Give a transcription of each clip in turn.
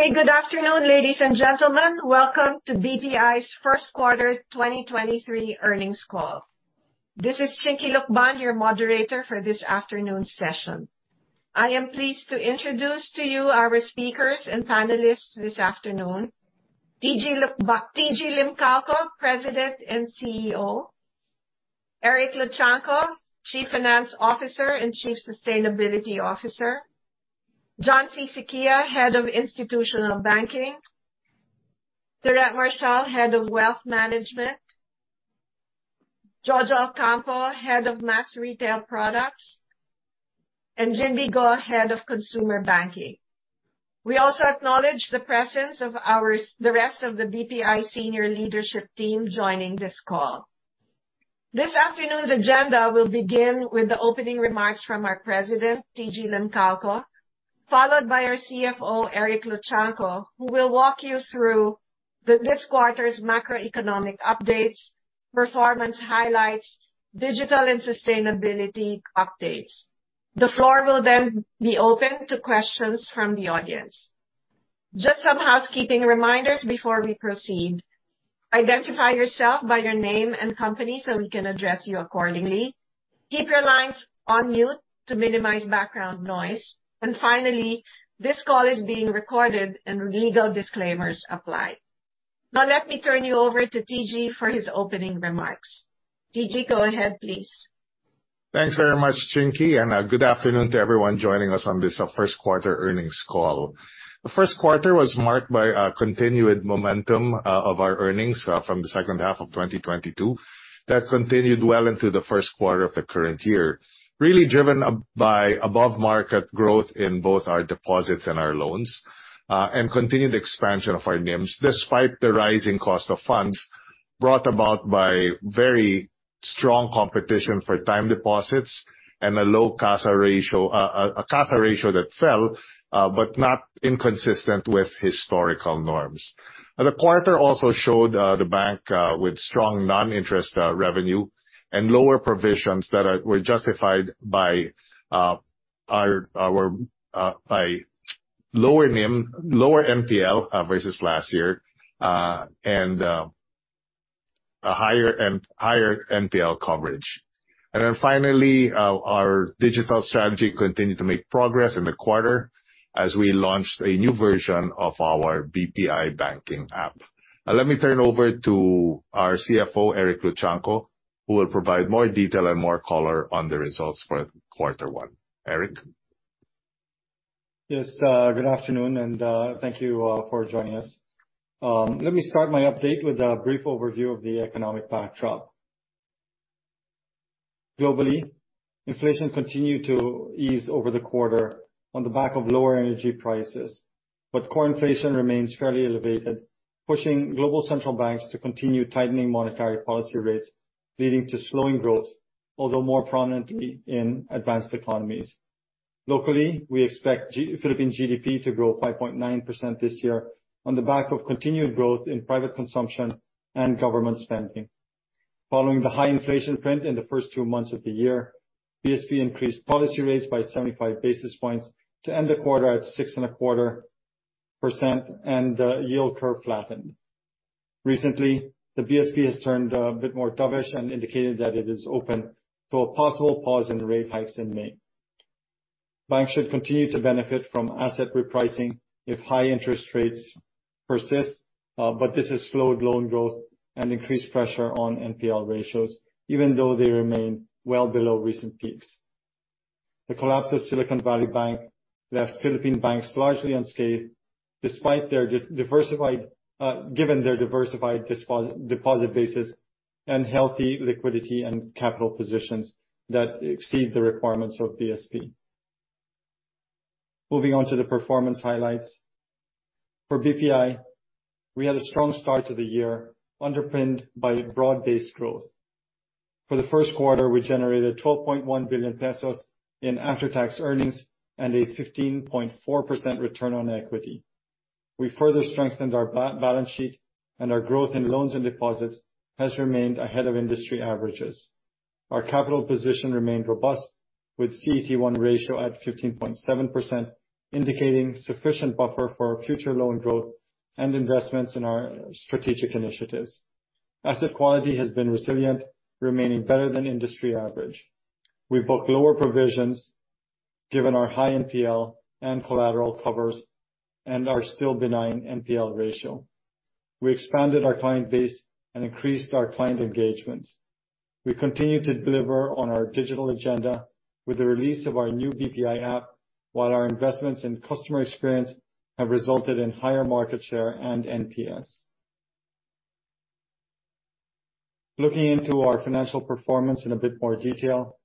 Hey, good afternoon, ladies and gentlemen. Welcome to BPI's first quarter 2023 earnings call. This is Chinky Lukban, your moderator for this afternoon's session. I am pleased to introduce to you our speakers and panelists this afternoon. TG Limcaoco, President and CEO. Eric Luchangco, Chief Finance Officer and Chief Sustainability Officer. Juan C. Syquia, Head of Institutional Banking. Theresa Marcial, Head of Wealth Management. Jojo Ocampo, Head of Mass Retail Products, and Ginbee Go, Head of Consumer Banking. We also acknowledge the presence of the rest of the BPI senior leadership team joining this call. This afternoon's agenda will begin with the opening remarks from our president, TG Limcaoco, followed by our CFO, Eric Luchangco, who will walk you through this quarter's macroeconomic updates, performance highlights, digital and sustainability updates. The floor will then be open to questions from the audience. Just some housekeeping reminders before we proceed. Identify yourself by your name and company, so we can address you accordingly. Keep your lines on mute to minimize background noise. Finally, this call is being recorded and legal disclaimers apply. Now, let me turn you over to TG for his opening remarks. TG, go ahead, please. Thanks very much, Chinky, and good afternoon to everyone joining us on this first quarter earnings call. The first quarter was marked by continued momentum of our earnings from the second half of 2022 that continued well into the first quarter of the current year, really driven by above-market growth in both our deposits and our loans, and continued expansion of our NIMs, despite the rising cost of funds brought about by very strong competition for time deposits and a low CASA ratio that fell, but not inconsistent with historical norms. The quarter also showed the bank with strong non-interest revenue and lower provisions that were justified by lower NIM, lower NPL versus last year, and a higher NPL coverage. Our digital strategy continued to make progress in the quarter as we launched a new version of our BPI banking app. Now let me turn over to our CFO, Eric Luchangco, who will provide more detail and more color on the results for quarter one. Eric? Yes, good afternoon, and thank you for joining us. Let me start my update with a brief overview of the economic backdrop. Globally, inflation continued to ease over the quarter on the back of lower energy prices, but core inflation remains fairly elevated, pushing global central banks to continue tightening monetary policy rates, leading to slowing growth, although more prominently in advanced economies. Locally, we expect the Philippine GDP to grow 5.9% this year on the back of continued growth in private consumption and government spending. Following the high inflation print in the first two months of the year, BSP increased policy rates by 75 basis points to end the quarter at 6.25%, and the yield curve flattened. Recently, the BSP has turned a bit more dovish and indicated that it is open to a possible pause in rate hikes in May. Banks should continue to benefit from asset repricing if high interest rates persist, but this has slowed loan growth and increased pressure on NPL ratios, even though they remain well below recent peaks. The collapse of Silicon Valley Bank left Philippine banks largely unscathed, despite their diversified, given their diversified deposit bases and healthy liquidity and capital positions that exceed the requirements of BSP. Moving on to the performance highlights. For BPI, we had a strong start to the year, underpinned by broad-based growth. For the first quarter, we generated 12.1 billion pesos in after-tax earnings and a 15.4% return on equity. We further strengthened our balance sheet, and our growth in loans and deposits has remained ahead of industry averages. Our capital position remained robust, with CET1 ratio at 15.7%, indicating sufficient buffer for our future loan growth and investments in our strategic initiatives. Asset quality has been resilient, remaining better than industry average. We booked lower provisions given our high NPL and collateral covers and our still benign NPL ratio. We expanded our client base and increased our client engagements. We continue to deliver on our digital agenda with the release of our new BPI app, while our investments in customer experience have resulted in higher market share and NPS. Looking into our financial performance in a bit more detail.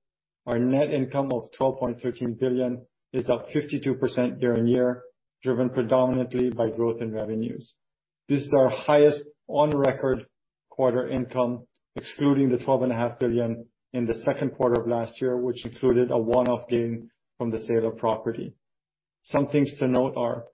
Our net income of 12.13 billion is up 52% year-on-year, driven predominantly by growth in revenues. This is our highest on record quarter income, excluding the 12.5 billion in the second quarter of last year, which included a one-off gain from the sale of property. Some things to note are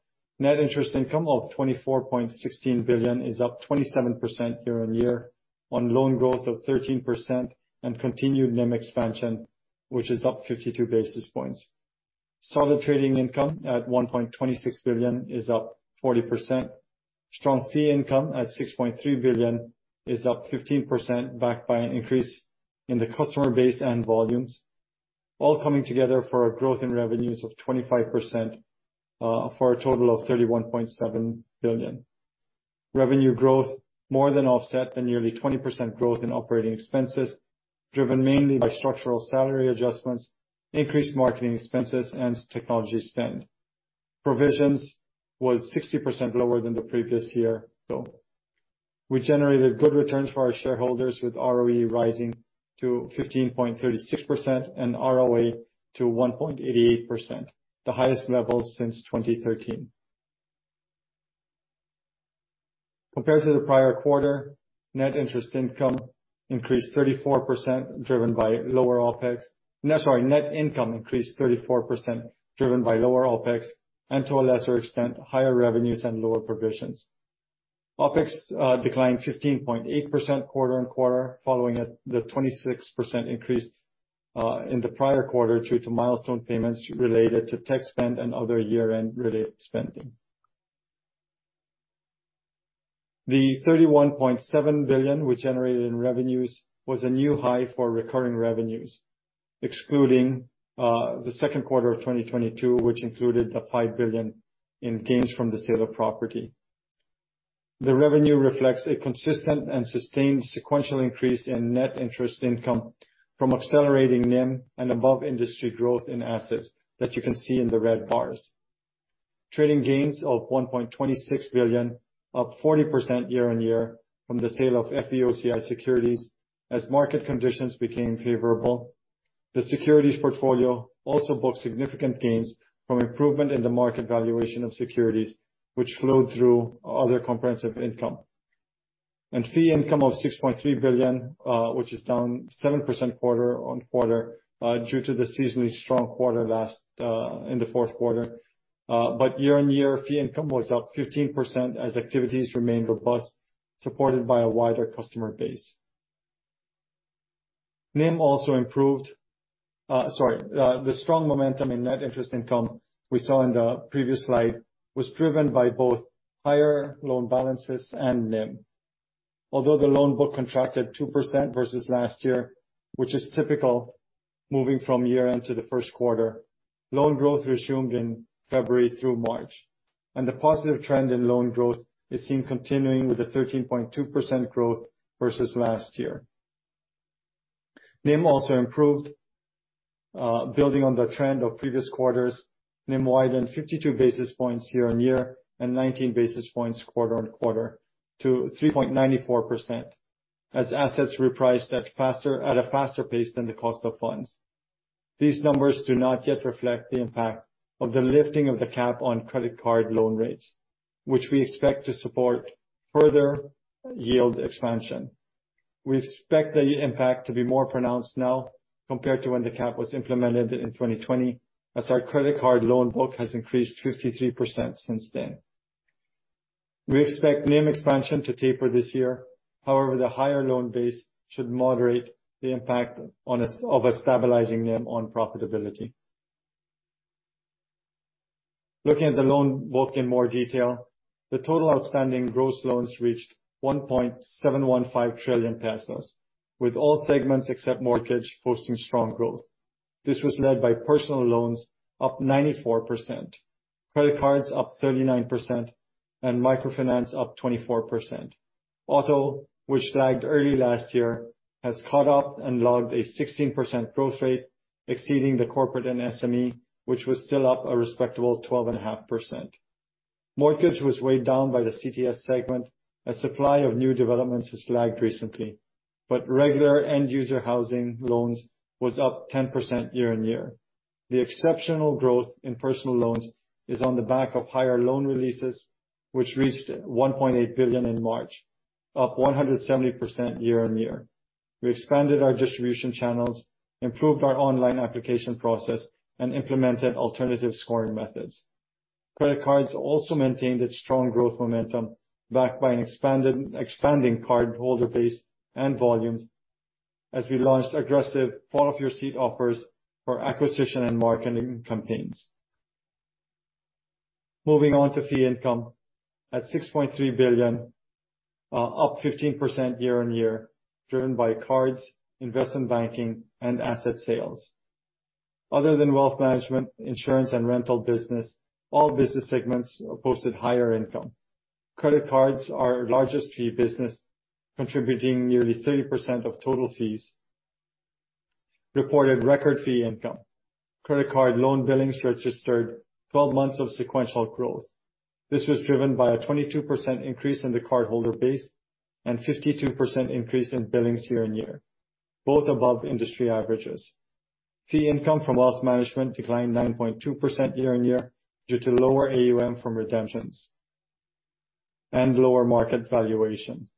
net interest income of 24.16 billion, which is up 27% year-on-year on loan growth of 13% and continued NIM expansion, which is up 52 basis points. Solid trading income at 1.26 billion is up 40%. Strong fee income at 6.3 billion is up 15%, backed by an increase in the customer base and volumes, all coming together for a growth in revenues of 25%, for a total of 31.7 billion. Revenue growth more than offset the nearly 20% growth in operating expenses, driven mainly by structural salary adjustments, increased marketing expenses and technology spend. Provisions was 60% lower than the previous year, though. We generated good returns for our shareholders with ROE rising to 15.36% and ROA to 1.88%, the highest level since 2013. Compared to the prior quarter, net interest income increased 34%, driven by lower OpEx. No, sorry. Net income increased 34%, driven by lower OpEx and to a lesser extent, higher revenues and lower provisions. OpEx declined 15.8% quarter on quarter, following the 26% increase in the prior quarter due to milestone payments related to tech spend and other year-end related spending. The 31.7 billion we generated in revenues was a new high for recurring revenues, excluding the second quarter of 2022, which included the 5 billion in gains from the sale of property. The revenue reflects a consistent and sustained sequential increase in net interest income from accelerating NIM and above industry growth in assets that you can see in the red bars. Trading gains of 1.26 billion, up 40% year-on-year from the sale of FVOCI securities as market conditions became favorable. The securities portfolio also booked significant gains from improvement in the market valuation of securities, which flowed through other comprehensive income. Fee income of 6.3 billion, which is down 7% quarter-on-quarter, due to the seasonally strong quarter last in the fourth quarter. Year-on-year fee income was up 15% as activities remained robust, supported by a wider customer base. NIM also improved. The strong momentum in net interest income we saw in the previous slide was driven by both higher loan balances and NIM. Although the loan book contracted 2% versus last year, which is typical moving from year-end to the first quarter, loan growth resumed in February through March, and the positive trend in loan growth is seen continuing with a 13.2% growth versus last year. NIM also improved, building on the trend of previous quarters. NIM widened 52 basis points year-on-year and 19 basis points quarter-on-quarter to 3.94% as assets repriced at a faster pace than the cost of funds. These numbers do not yet reflect the impact of the lifting of the cap on credit card loan rates, which we expect to support further yield expansion. We expect the impact to be more pronounced now compared to when the cap was implemented in 2020, as our credit card loan book has increased 53% since then. We expect NIM expansion to taper this year. However, the higher loan base should moderate the impact of a stabilizing NIM on profitability. Looking at the loan book in more detail, the total outstanding gross loans reached 1.715 trillion pesos, with all segments except Mortgage posting strong growth. This was led by personal loans up 94%, credit cards up 39%, and microfinance up 24%. Auto, which lagged early last year, has caught up and logged a 16% growth rate exceeding the corporate and SME, which was still up a respectable 12.5%. Mortgage was weighed down by the CTS segment as supply of new developments has lagged recently, but regular end user housing loans was up 10% year-on-year. The exceptional growth in personal loans is on the back of higher loan releases, which reached 1.8 billion in March, up 170% year-on-year. We expanded our distribution channels, improved our online application process, and implemented alternative scoring methods. Credit cards also maintained its strong growth momentum, backed by an expanding card holder base and volumes as we launched aggressive fall-off-your-seat offers for acquisition and marketing campaigns. Moving on to fee income at 6.3 billion, up 15% year-on-year, driven by Cards, Investment Banking, and Asset Sales. Other than Wealth Management, Insurance and Rental business, all business segments posted higher income. Credit cards, our largest fee business, contributing nearly 30% of total fees, reported record fee income. Credit card loan billings registered 12 months of sequential growth. This was driven by a 22% increase in the card holder base and 52% increase in billings year-on-year, both above industry averages. Fee income from wealth management declined 9.2% year-on-year due to lower AUM from redemptions and lower market valuation.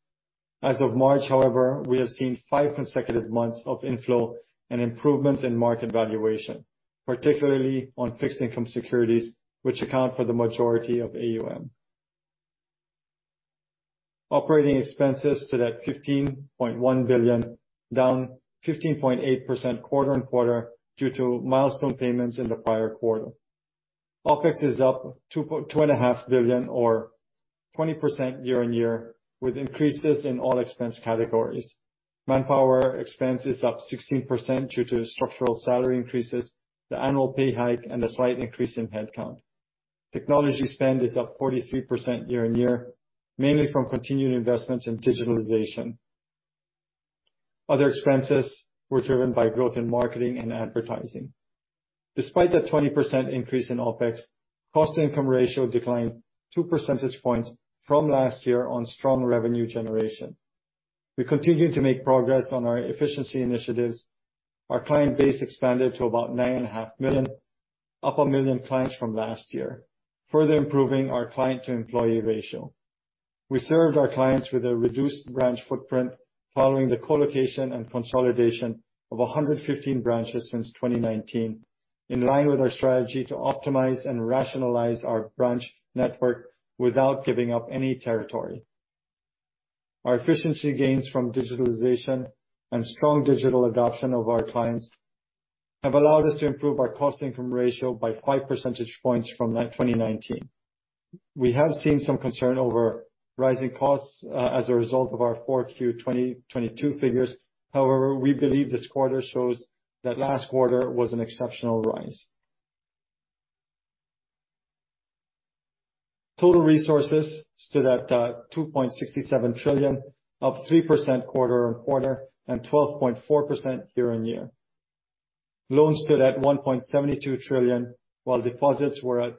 As of March, however, we have seen five consecutive months of inflow and improvements in market valuation, particularly on fixed income securities, which account for the majority of AUM. Operating expenses stood at PHP 15.1 billion, down 15.8% quarter-on-quarter due to milestone payments in the prior quarter. OpEx is up 2.5 billion or 20% year-on-year, with increases in all expense categories. Manpower expense is up 16% due to structural salary increases, the annual pay hike and a slight increase in headcount. Technology spend is up 43% year-on-year, mainly from continued investments in digitalization. Other expenses were driven by growth in marketing and advertising. Despite the 20% increase in OpEx, cost income ratio declined 2 percentage points from last year on strong revenue generation. We continue to make progress on our efficiency initiatives. Our client base expanded to about 9.5 million, up 1 million clients from last year, further improving our client to employee ratio. We served our clients with a reduced branch footprint following the colocation and consolidation of 115 branches since 2019, in line with our strategy to optimize and rationalize our branch network without giving up any territory. Our efficiency gains from digitalization and strong digital adoption of our clients have allowed us to improve our cost income ratio by 5 percentage points from 2019. We have seen some concern over rising costs as a result of our 4Q 2022 figures. However, we believe this quarter shows that last quarter was an exceptional rise. Total resources stood at 2.67 trillion, up 3% quarter-on-quarter and 12.4% year-on-year. Loans stood at 1.72 trillion, while deposits were at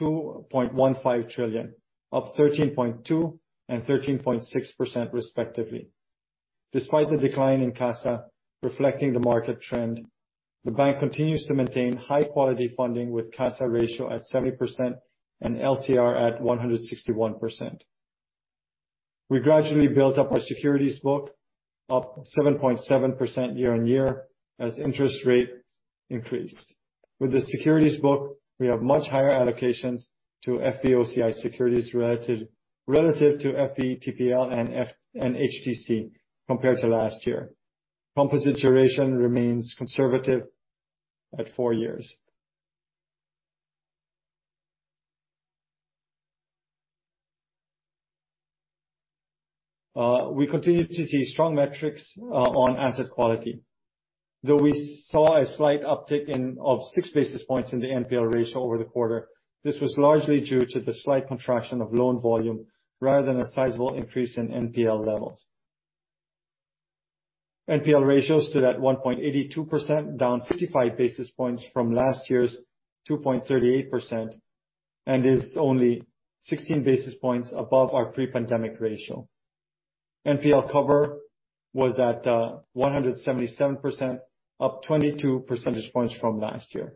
2.15 trillion, up 13.2% and 13.6% respectively. Despite the decline in CASA reflecting the market trend, the bank continues to maintain high quality funding with CASA ratio at 70% and LCR at 161%. We gradually built up our securities book up 7.7% year-on-year as interest rate increased. With the securities book, we have much higher allocations to FVOCI securities relative to FVTPL and HTC compared to last year. Composite duration remains conservative at four years. We continue to see strong metrics on asset quality. Though we saw a slight uptick of 6 basis points in the NPL ratio over the quarter, this was largely due to the slight contraction of loan volume rather than a sizable increase in NPL levels. NPL ratio stood at 1.82%, down 55 basis points from last year's 2.38% and is only 16 basis points above our pre-pandemic ratio. NPL cover was at 177%, up 22 percentage points from last year.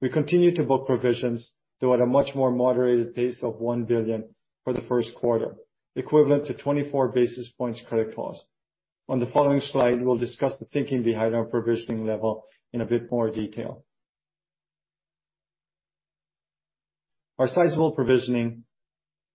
We continue to book provisions, though at a much more moderated pace of 1 billion for the first quarter, equivalent to 24 basis points credit cost. On the following slide, we'll discuss the thinking behind our provisioning level in a bit more detail. Our sizable provisioning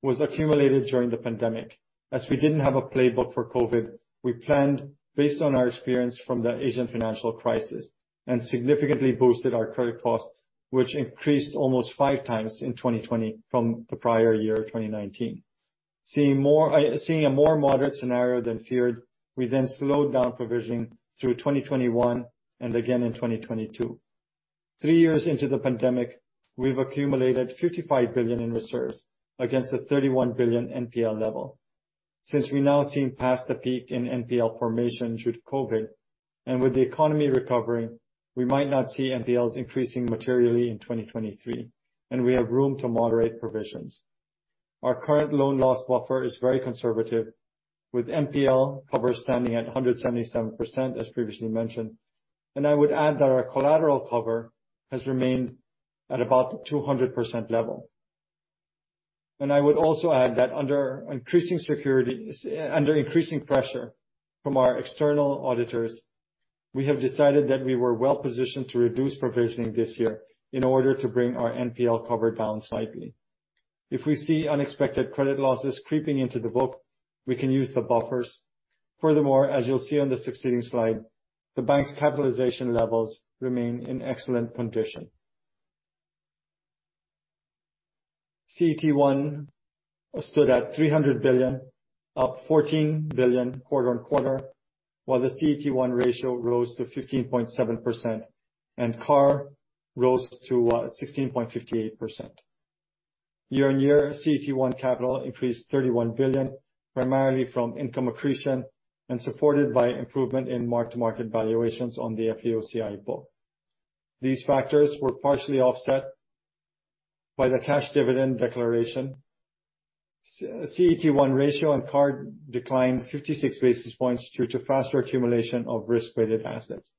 was accumulated during the pandemic. As we didn't have a playbook for COVID, we planned based on our experience from the Asian financial crisis and significantly boosted our credit cost, which increased almost five times in 2020 from the prior year, 2019. Seeing a more moderate scenario than feared, we then slowed down provisioning through 2021 and again in 2022. Three years into the pandemic, we've accumulated 55 billion in reserves against the 31 billion NPL level. Since we're now seeing past the peak in NPL formation due to COVID and with the economy recovering, we might not see NPLs increasing materially in 2023, and we have room to moderate provisions. Our current loan loss buffer is very conservative, with NPL cover standing at 177%, as previously mentioned. I would add that our collateral cover has remained at about 200% level. I would also add that under increasing pressure from our external auditors, we have decided that we were well-positioned to reduce provisioning this year in order to bring our NPL cover down slightly. If we see unexpected credit losses creeping into the book, we can use the buffers. Furthermore, as you'll see on the succeeding slide, the bank's capitalization levels remain in excellent condition. CET1 stood at 300 billion, up 14 billion quarter-on-quarter, while the CET1 ratio rose to 15.7% and CAR rose to 16.58%. Year-on-year, CET1 capital increased PHP 31 billion, primarily from income accretion and supported by improvement in mark-to-market valuations on the FVOCI book. These factors were partially offset by the cash dividend declaration. CET1 ratio and CAR declined 56 basis points due to faster accumulation of risk-weighted assets.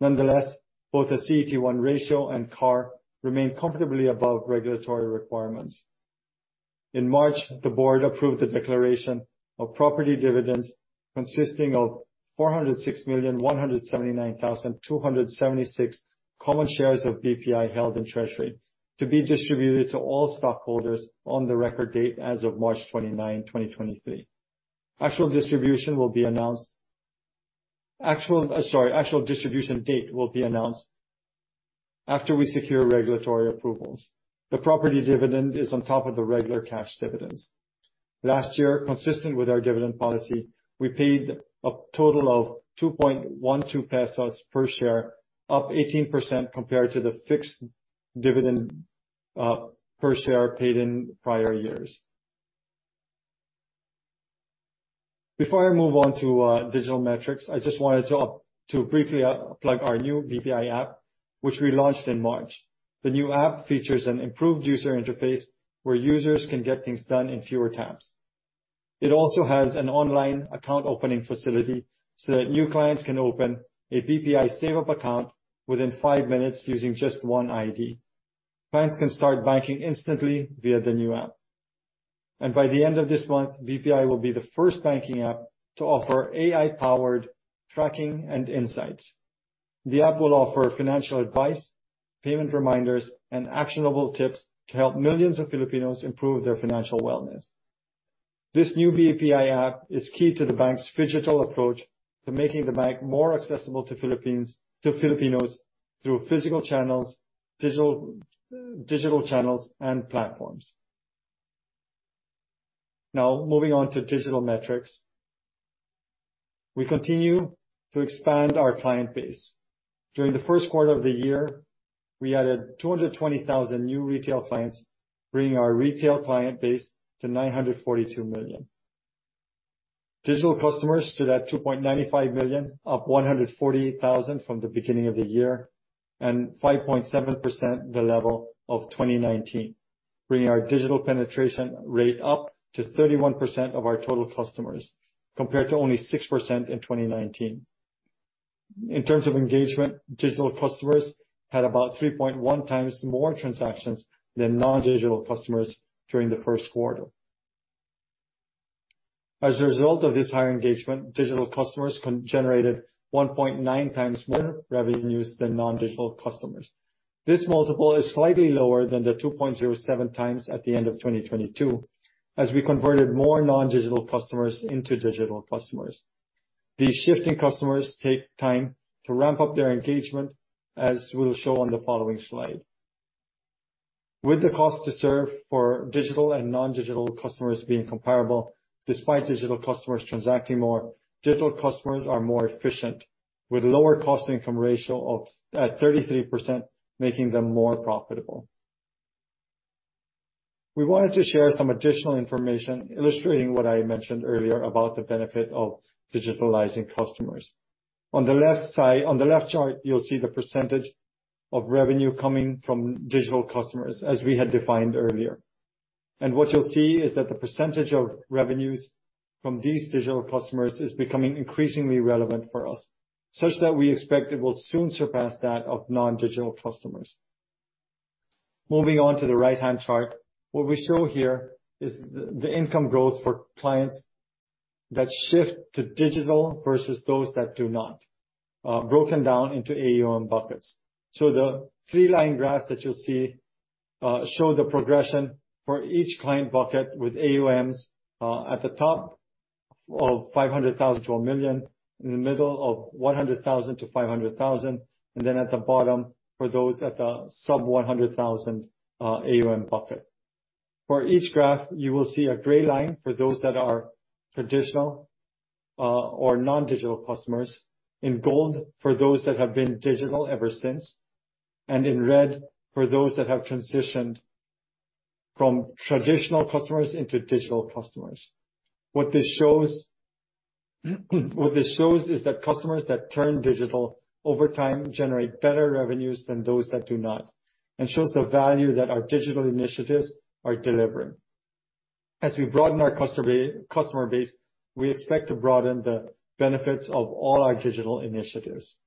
Nonetheless, both the CET1 ratio and CAR remain comfortably above regulatory requirements. In March, the board approved the declaration of property dividends consisting of 406,179,276 common shares of BPI held in treasury to be distributed to all stockholders on the record date as of March 29, 2023. Actual distribution will be announced. Sorry, actual distribution date will be announced after we secure regulatory approvals. The property dividend is on top of the regular cash dividends. Last year, consistent with our dividend policy, we paid a total of 2.12 pesos per share, up 18% compared to the fixed dividend per share paid in prior years. Before I move on to digital metrics, I just wanted to briefly plug our new BPI app, which we launched in March. The new app features an improved user interface where users can get things done in fewer taps. It also has an online account opening facility, so that new clients can open a BPI SaveUp account within 5 minutes using just one ID. Clients can start banking instantly via the new app. By the end of this month, BPI will be the first banking app to offer AI-powered tracking and insights. The app will offer financial advice, payment reminders, and actionable tips to help millions of Filipinos improve their financial wellness. This new BPI app is key to the bank's phygital approach to making the bank more accessible to Filipinos through physical channels, digital channels, and platforms. Now, moving on to digital metrics. We continue to expand our client base. During the first quarter of the year, we added 220,000 new retail clients, bringing our retail client base to 942 million. Digital customers stood at 2.95 million, up 148,000 from the beginning of the year, and 5.7% above the level of 2019, bringing our digital penetration rate up to 31% of our total customers, compared to only 6% in 2019. In terms of engagement, digital customers had about 3.1x more transactions than non-digital customers during the first quarter. As a result of this higher engagement, digital customers generated 1.9x more revenues than non-digital customers. This multiple is slightly lower than the 2.07x at the end of 2022, as we converted more non-digital customers into digital customers. These shifting customers take time to ramp up their engagement, as we'll show on the following slide. With the cost to serve for digital and non-digital customers being comparable, despite digital customers transacting more, digital customers are more efficient, with lower cost income ratio of 33%, making them more profitable. We wanted to share some additional information illustrating what I mentioned earlier about the benefit of digitalizing customers. On the left chart, you'll see the percentage of revenue coming from digital customers, as we had defined earlier. What you'll see is that the percentage of revenues from these digital customers is becoming increasingly relevant for us, such that we expect it will soon surpass that of non-digital customers. Moving on to the right-hand chart. What we show here is the income growth for clients that shift to digital versus those that do not, broken down into AUM buckets. The three-line graphs that you'll see show the progression for each client bucket with AUMs at the top of 500,000-1 million, in the middle of 100,000-500,000, and then at the bottom for those at the sub-PHP 100,000 AUM bucket. For each graph, you will see a gray line for those that are traditional or non-digital customers. In gold for those that have been digital ever since, and in red for those that have transitioned from traditional customers into digital customers. What this shows is that customers that turn digital over time generate better revenues than those that do not, and shows the value that our digital initiatives are delivering. As we broaden our customer base, we expect to broaden the benefits of all our digital initiatives.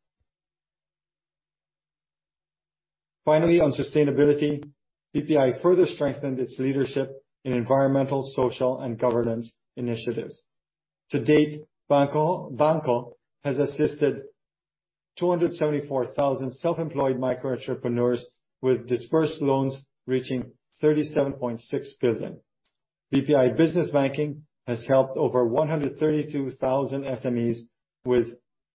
Finally, on sustainability, BPI further strengthened its leadership in environmental, social, and governance initiatives. To date, BPI Direct BanKo has assisted 274,000 self-employed micro entrepreneurs with dispersed loans reaching 37.6 billion. BPI Business Banking has helped over 132,000 SMEs with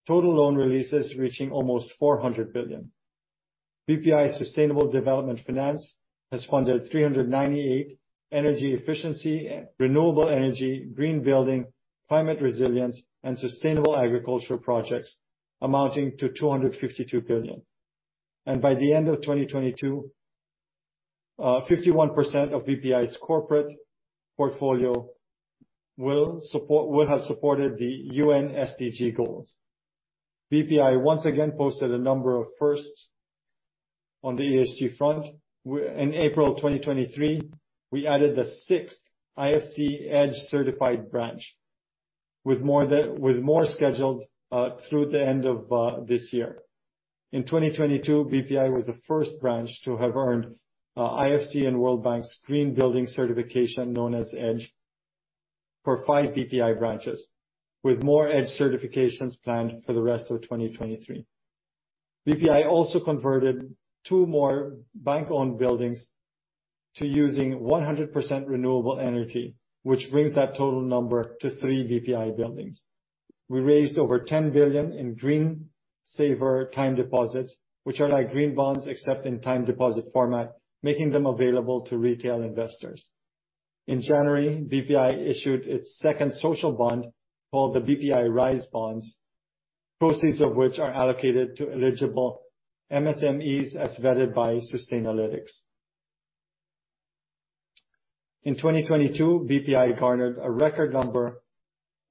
total loan releases reaching almost 400 billion. BPI Sustainable Development Finance has funded 398 energy efficiency, renewable energy, green building, climate resilience, and sustainable agricultural projects amounting to 252 billion. By the end of 2022, 51% of BPI's corporate portfolio will have supported the UN SDG goals. BPI once again posted a number of firsts on the ESG front. In April 2023, we added the sixth IFC-EDGE certified branch with more scheduled through the end of this year. In 2022, BPI was the first branch to have earned IFC and World Bank's green building certification, known as EDGE, for five BPI branches, with more EDGE certifications planned for the rest of 2023. BPI also converted two more bank-owned buildings to using 100% renewable energy, which brings that total number to three BPI buildings. We raised over 10 billion in Green Saver Time Deposits, which are like green bonds except in time deposit format, making them available to retail investors. In January, BPI issued its second social bond, called the BPI RISE Bonds, proceeds of which are allocated to eligible MSMEs as vetted by Sustainalytics. In 2022, BPI garnered a record number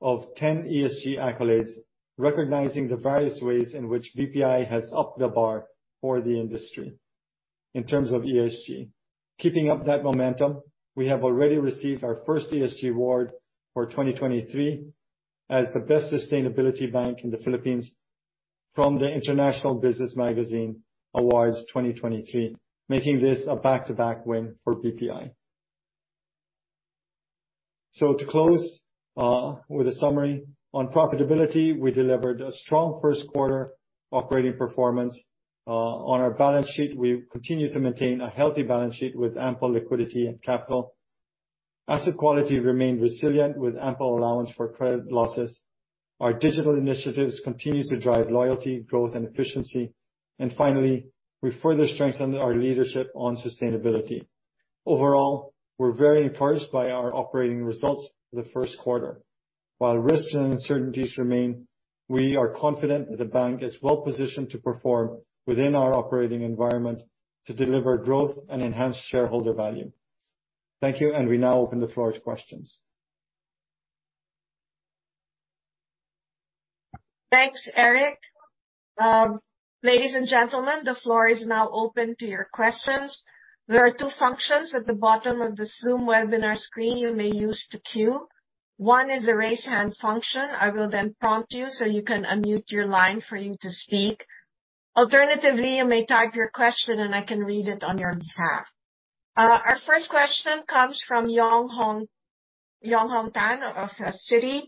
of 10 ESG accolades, recognizing the various ways in which BPI has upped the bar for the industry in terms of ESG. Keeping up that momentum, we have already received our first ESG award for 2023 as the best sustainability bank in the Philippines from the International Business Magazine Awards 2023, making this a back-to-back win for BPI. To close, with a summary on profitability, we delivered a strong first quarter operating performance. On our balance sheet, we continue to maintain a healthy balance sheet with ample liquidity and capital. Asset quality remained resilient with ample allowance for credit losses. Our digital initiatives continue to drive loyalty, growth and efficiency. Finally, we further strengthened our leadership on sustainability. Overall, we're very encouraged by our operating results for the first quarter. While risks and uncertainties remain, we are confident that the bank is well-positioned to perform within our operating environment to deliver growth and enhance shareholder value. Thank you, and we now open the floor to questions. Thanks, Eric. Ladies and gentlemen, the floor is now open to your questions. There are two functions at the bottom of the Zoom webinar screen you may use to queue. One is the raise hand function. I will then prompt you, so you can unmute your line for you to speak. Alternatively, you may type your question, and I can read it on your behalf. Our first question comes from Yong Hong Tan of Citi.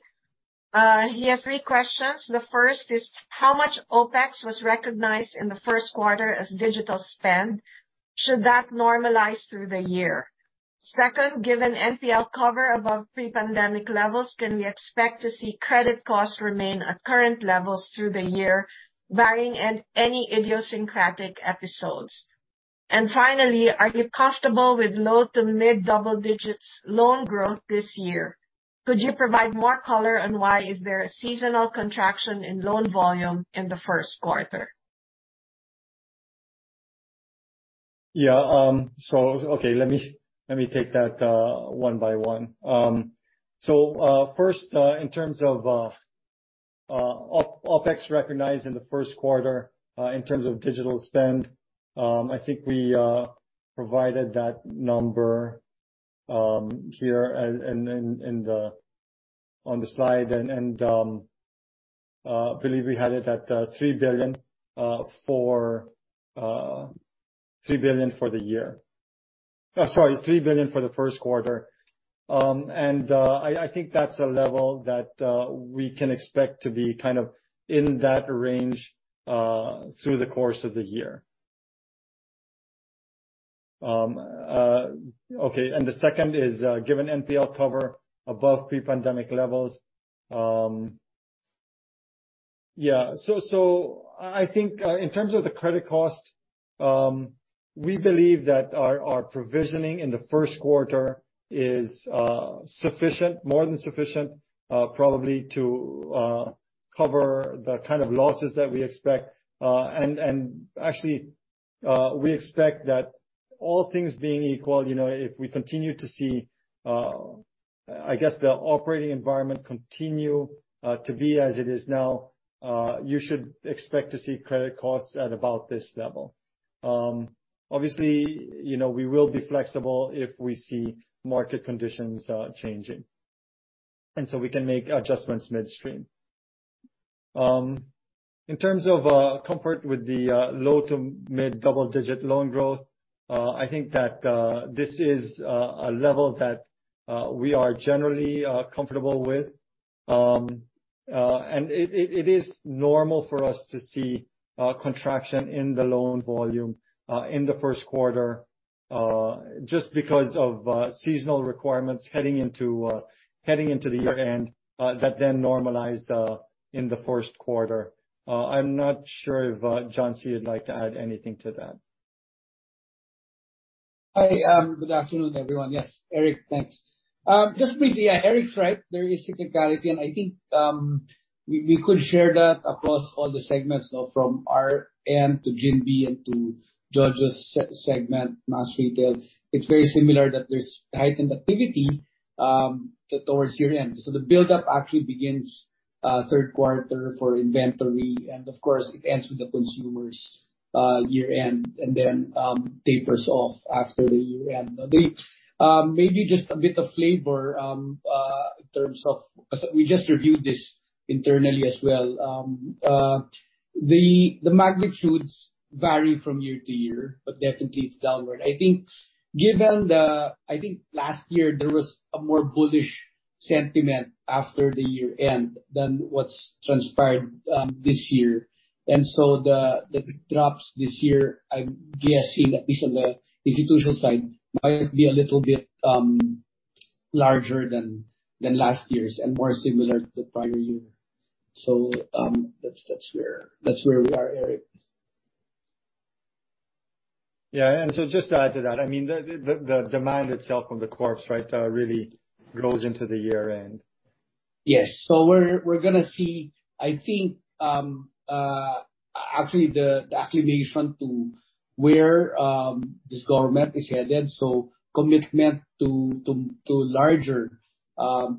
He has three questions. The first is how much OpEx was recognized in the first quarter as digital spend? Should that normalize through the year? Second, given NPL cover above pre-pandemic levels, can we expect to see credit costs remain at current levels through the year, barring any idiosyncratic episodes? And finally, are you comfortable with low to mid-double digits loan growth this year? Could you provide more color on why is there a seasonal contraction in loan volume in the first quarter? Yeah. Okay. Let me take that one by one. First, in terms of OpEx recognized in the first quarter, in terms of digital spend, I think we provided that number here and on the slide. I believe we had it at 3 billion for the year. Sorry, 3 billion for the first quarter. I think that's a level that we can expect to be kind of in that range through the course of the year. Okay. The second is given NPL cover above pre-pandemic levels. I think in terms of the credit cost, we believe that our provisioning in the first quarter is sufficient, more than sufficient, probably to cover the kind of losses that we expect. Actually, we expect that all things being equal, you know, if we continue to see the operating environment continue to be as it is now, you should expect to see credit costs at about this level. Obviously, you know, we will be flexible if we see market conditions changing, and so we can make adjustments midstream. In terms of comfort with the low to mid-double digit loan growth, I think that this is a level that we are generally comfortable with. It is normal for us to see contraction in the loan volume in the first quarter just because of seasonal requirements heading into the year-end that then normalize in the first quarter. I'm not sure if Juan C. would like to add anything to that. Hi. Good afternoon, everyone. Yes, Eric, thanks. Just briefly, yeah, Eric's right. There is seasonality, and I think we could share that across all the segments, so from our end to Ginbee and to Jojo's segment, Mass Retail. It's very similar that there's heightened activity towards year-end. The buildup actually begins third quarter for inventory, and of course, it ends with the consumers year-end, and then tapers off after the year-end. Maybe just a bit of flavor, so we just reviewed this internally as well. The magnitudes vary from year to year, but definitely it's downward. I think given the I think last year there was a more bullish sentiment after the year-end than what's transpired this year. The big drops this year, I'm guessing that at least on the institutional side, might be a little bit larger than last year's and more similar to the prior year. That's where we are, Eric. Just to add to that, I mean, the demand itself from the corps, right, really grows into the year-end. Yes. We're gonna see, I think, actually the acclimation to where this government is headed, so commitment to larger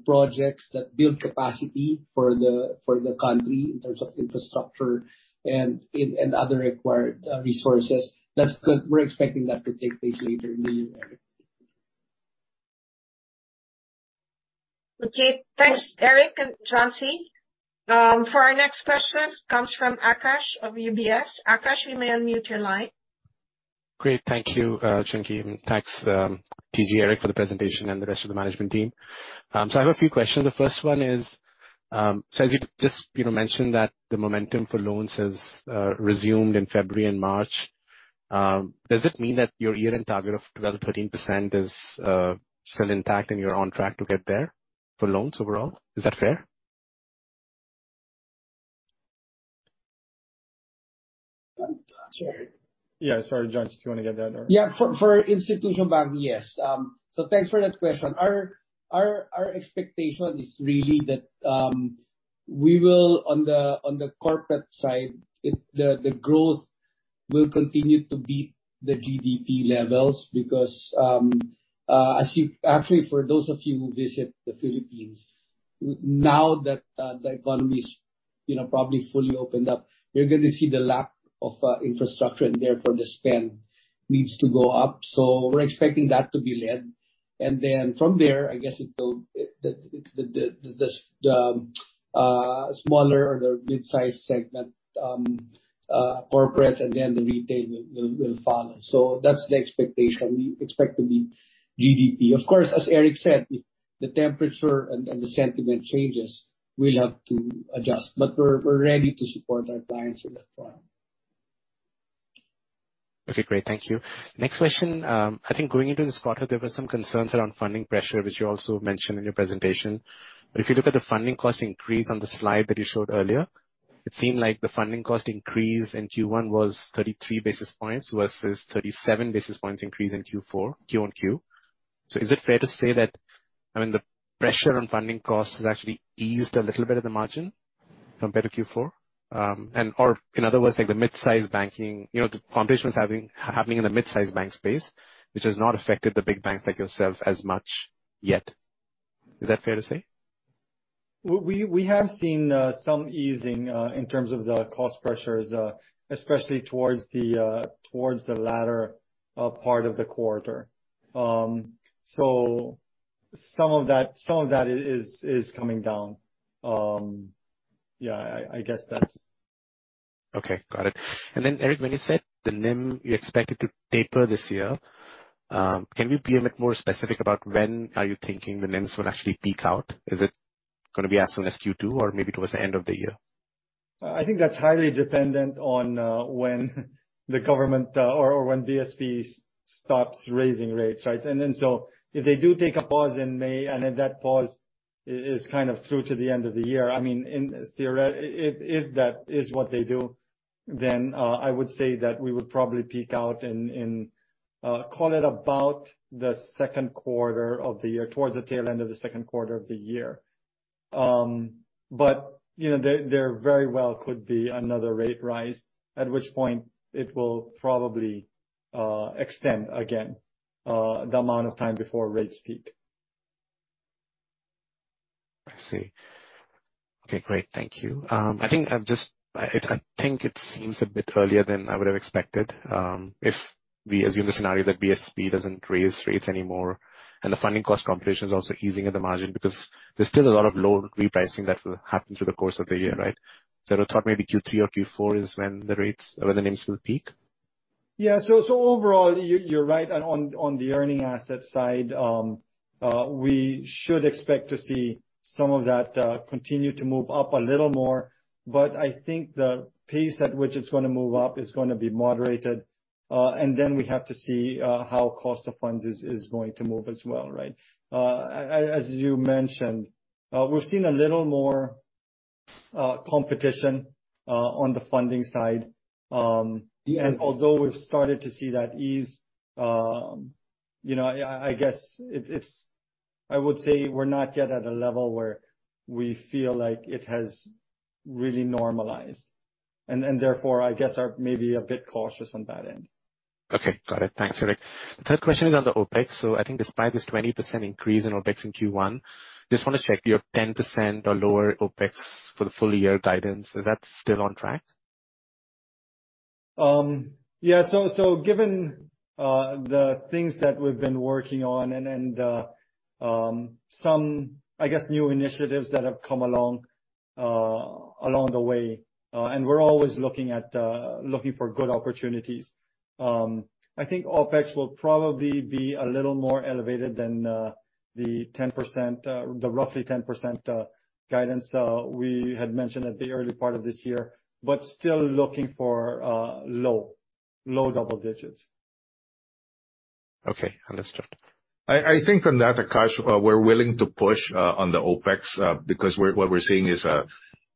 projects that build capacity for the country in terms of infrastructure and other required resources. That's good. We're expecting that to take place later in the year, Eric. Okay. Thanks, Eric and Juan C. For our next question, comes from Aakash of UBS. Akash, we may unmute your line. Great. Thank you, Chinky, and thanks, TG and Eric, for the presentation and the rest of the management team. I have a few questions. The first one is, as you just, you know, mentioned that the momentum for loans has resumed in February and March, does it mean that your year-end target of 12% or 13% is still intact and you're on track to get there for loans overall? Is that fair? Yeah. Sorry, Juan C, do you wanna get that or? Yeah. For institutional banking, yes. Thanks for that question. Our expectation is really that we will on the corporate side, the growth will continue to beat the GDP levels because I think actually for those of you who visit the Philippines, now that the economy is, you know, probably fully opened up, you're gonna see the lack of infrastructure and therefore the spend needs to go up. We're expecting that to be led. Then from there, I guess the smaller or the mid-sized segment, corporates and then the retail will follow. That's the expectation. We expect to beat GDP. Of course, as Eric said, if the temperature and the sentiment changes, we'll have to adjust. We're ready to support our clients in that front. Okay. Great. Thank you. Next question. I think going into this quarter, there were some concerns around funding pressure, which you also mentioned in your presentation. If you look at the funding cost increase on the slide that you showed earlier, it seemed like the funding cost increase in Q1 was 33 basis points versus 37 basis points increase in Q4, Q-on-Q. Is it fair to say that, I mean, the pressure on funding costs has actually eased a little bit at the margin compared to Q4? And or in other words, like the mid-sized banking, you know, the competition was happening in the mid-sized bank space, which has not affected the big banks like yourself as much yet. Is that fair to say? We have seen some easing in terms of the cost pressures, especially towards the latter part of the quarter. So some of that is coming down. Yeah, I guess that's- Okay. Got it. Eric, when you said the NIM, you expect it to taper this year, can you be a bit more specific about when are you thinking the NIMs will actually peak out? Is it gonna be as soon as Q2 or maybe towards the end of the year? I think that's highly dependent on when the government or when BSP stops raising rates, right? If they do take a pause in May, and if that pause is kind of through to the end of the year, I mean, if that is what they do, then I would say that we would probably peak out in call it about the second quarter of the year, towards the tail end of the second quarter of the year. You know, there very well could be another rate rise, at which point it will probably extend again the amount of time before rates peak. I see. Okay, great. Thank you. I think it seems a bit earlier than I would've expected, if we assume the scenario that BSP doesn't raise rates anymore, and the funding cost competition is also easing at the margin because there's still a lot of loan repricing that will happen through the course of the year, right? I thought maybe Q3 or Q4 is when the rates or when the NIMs will peak. Overall, you're right on the earning asset side. We should expect to see some of that continue to move up a little more, but I think the pace at which it's gonna move up is gonna be moderated, and then we have to see how cost of funds is going to move as well, right? As you mentioned, we've seen a little more competition on the funding side. Although we've started to see that ease, you know, I guess I would say we're not yet at a level where we feel like it has really normalized. Therefore, I guess we're maybe a bit cautious on that end. Okay. Got it. Thanks, Eric. Third question is on the OpEx. I think despite this 20% increase in OpEx in Q1, just wanna check, your 10% or lower OpEx for the full year guidance, is that still on track? Given the things that we've been working on and some, I guess, new initiatives that have come along the way, and we're always looking for good opportunities, I think OpEx will probably be a little more elevated than the roughly 10% guidance we had mentioned at the early part of this year, but still looking for low double digits. Okay. Understood. I think on that, Akash, we're willing to push on the OpEx because what we're seeing is a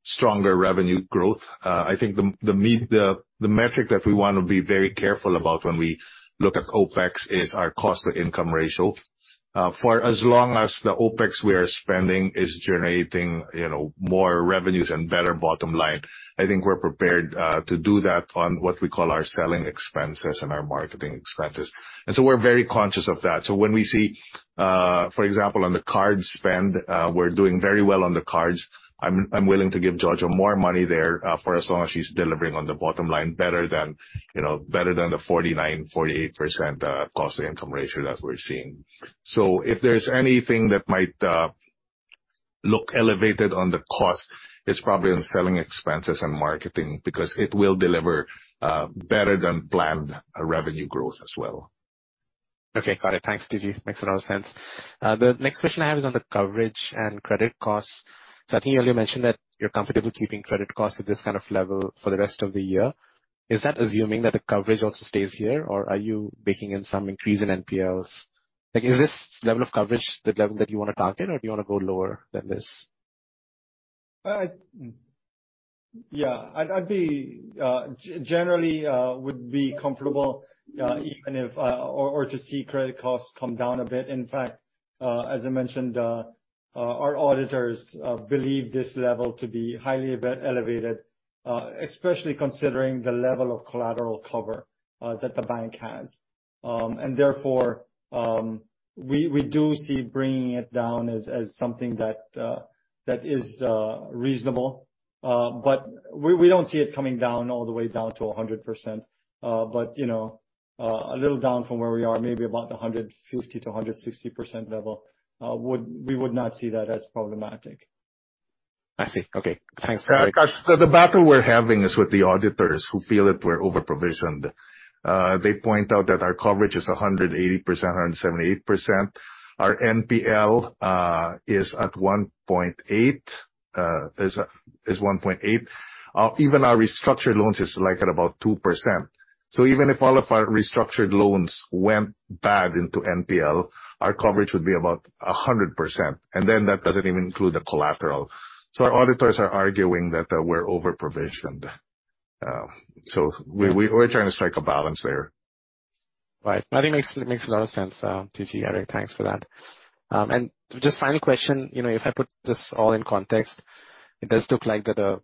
stronger revenue growth. I think the metric that we wanna be very careful about when we look at OpEx is our cost to income ratio. For as long as the OpEx we are spending is generating, you know, more revenues and better bottom line, I think we're prepared to do that on what we call our selling expenses and our marketing expenses. We're very conscious of that. When we see, for example, on the card spend, we're doing very well on the cards. I'm willing to give Jojo more money there for as long as she's delivering on the bottom line better than, you know, better than the 49%-48% cost-to-income ratio that we're seeing. If there's anything that might look elevated on the cost, it's probably on selling expenses and marketing, because it will deliver better than planned revenue growth as well. Okay. Got it. Thanks, TG. Makes a lot of sense. The next question I have is on the coverage and credit costs. I think you already mentioned that you're comfortable keeping credit costs at this kind of level for the rest of the year. Is that assuming that the coverage also stays here, or are you baking in some increase in NPLs? Like, is this level of coverage the level that you wanna target, or do you wanna go lower than this? I'd generally be comfortable even if or to see credit costs come down a bit. In fact, as I mentioned, our auditors believe this level to be highly elevated, especially considering the level of collateral cover that the bank has. Therefore, we do see bringing it down as something that is reasonable. We don't see it coming down all the way down to 100%. You know, a little down from where we are, maybe about the 150%-160% level, we would not see that as problematic. I see. Okay. Thanks. Akash, the battle we're having is with the auditors who feel that we're over-provisioned. They point out that our coverage is 180%, 178%. Our NPL is at 1.8. Even our restructured loans is like at about 2%. Even if all of our restructured loans went bad into NPL, our coverage would be about 100%, and then that doesn't even include the collateral. Our auditors are arguing that we're over-provisioned. We're trying to strike a balance there. Right. I think makes a lot of sense, TG, Eric. Thanks for that. Just final question, you know, if I put this all in context, it does look like that,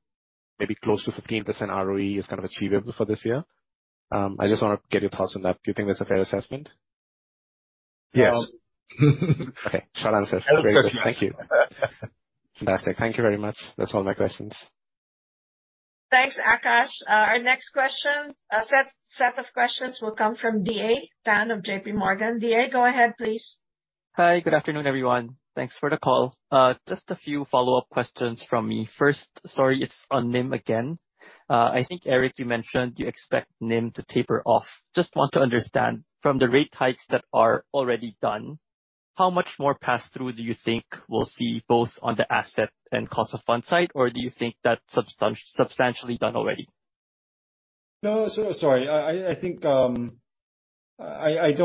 maybe close to 15% ROE is kind of achievable for this year. I just wanna get your thoughts on that. Do you think that's a fair assessment? Yes. Okay. Short answer. Thank you. Fantastic. Thank you very much. That's all my questions. Thanks, Akash. Our next set of questions will come from D.A. Pan of JPMorgan. D.A., go ahead, please. Hi. Good afternoon, everyone. Thanks for the call. Just a few follow-up questions from me. First, sorry, it's on NIM again. I think, Eric, you mentioned you expect NIM to taper off. Just want to understand, from the rate hikes that are already done, how much more pass-through do you think we'll see both on the asset and cost of fund side, or do you think that's substantially done already? No. Sorry. I think I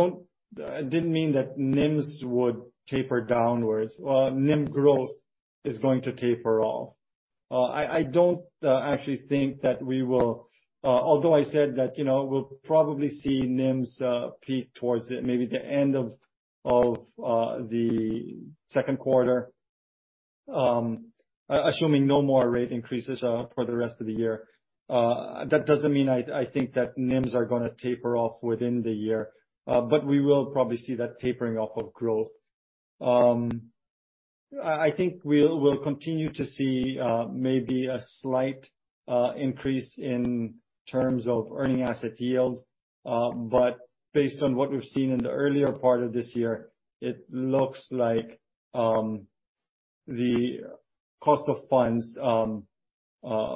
didn't mean that NIMs would taper downwards. Well, NIM growth is going to taper off. I don't actually think that we will, although I said that, you know, we'll probably see NIMs peak towards, maybe, the end of the second quarter, assuming no more rate increases for the rest of the year. That doesn't mean I think that NIMs are gonna taper off within the year, but we will probably see that tapering off of growth. I think we'll continue to see maybe a slight increase in terms of earning asset yield, but based on what we've seen in the earlier part of this year, it looks like the cost of funds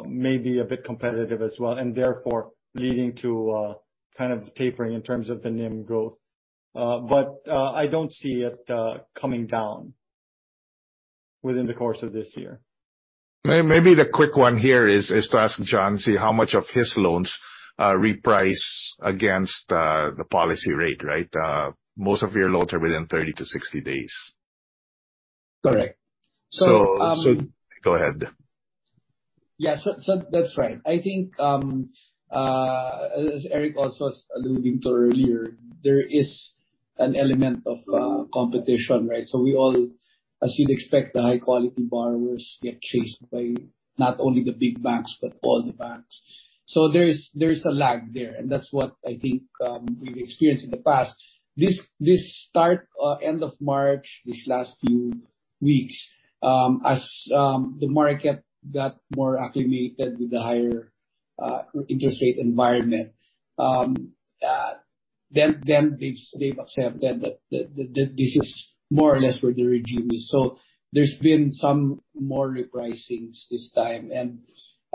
may be a bit competitive as well, and therefore leading to kind of tapering in terms of the NIM growth. I don't see it coming down within the course of this year. Maybe the quick one here is to ask Juan C, see how much of his loans reprice against the policy rate, right? Most of your loans are within 30-60 days. Correct. Go ahead. Yeah, that's right. I think as Eric also was alluding to earlier, there is an element of competition, right? We all, as you'd expect, the high-quality borrowers get chased by not only the big banks but all the banks. There is a lag there, and that's what I think we've experienced in the past. This start-end of March, this last few weeks, as the market got more acclimated with the higher interest rate environment. They've accepted that this is more or less where the regime is. There's been some more repricings this time.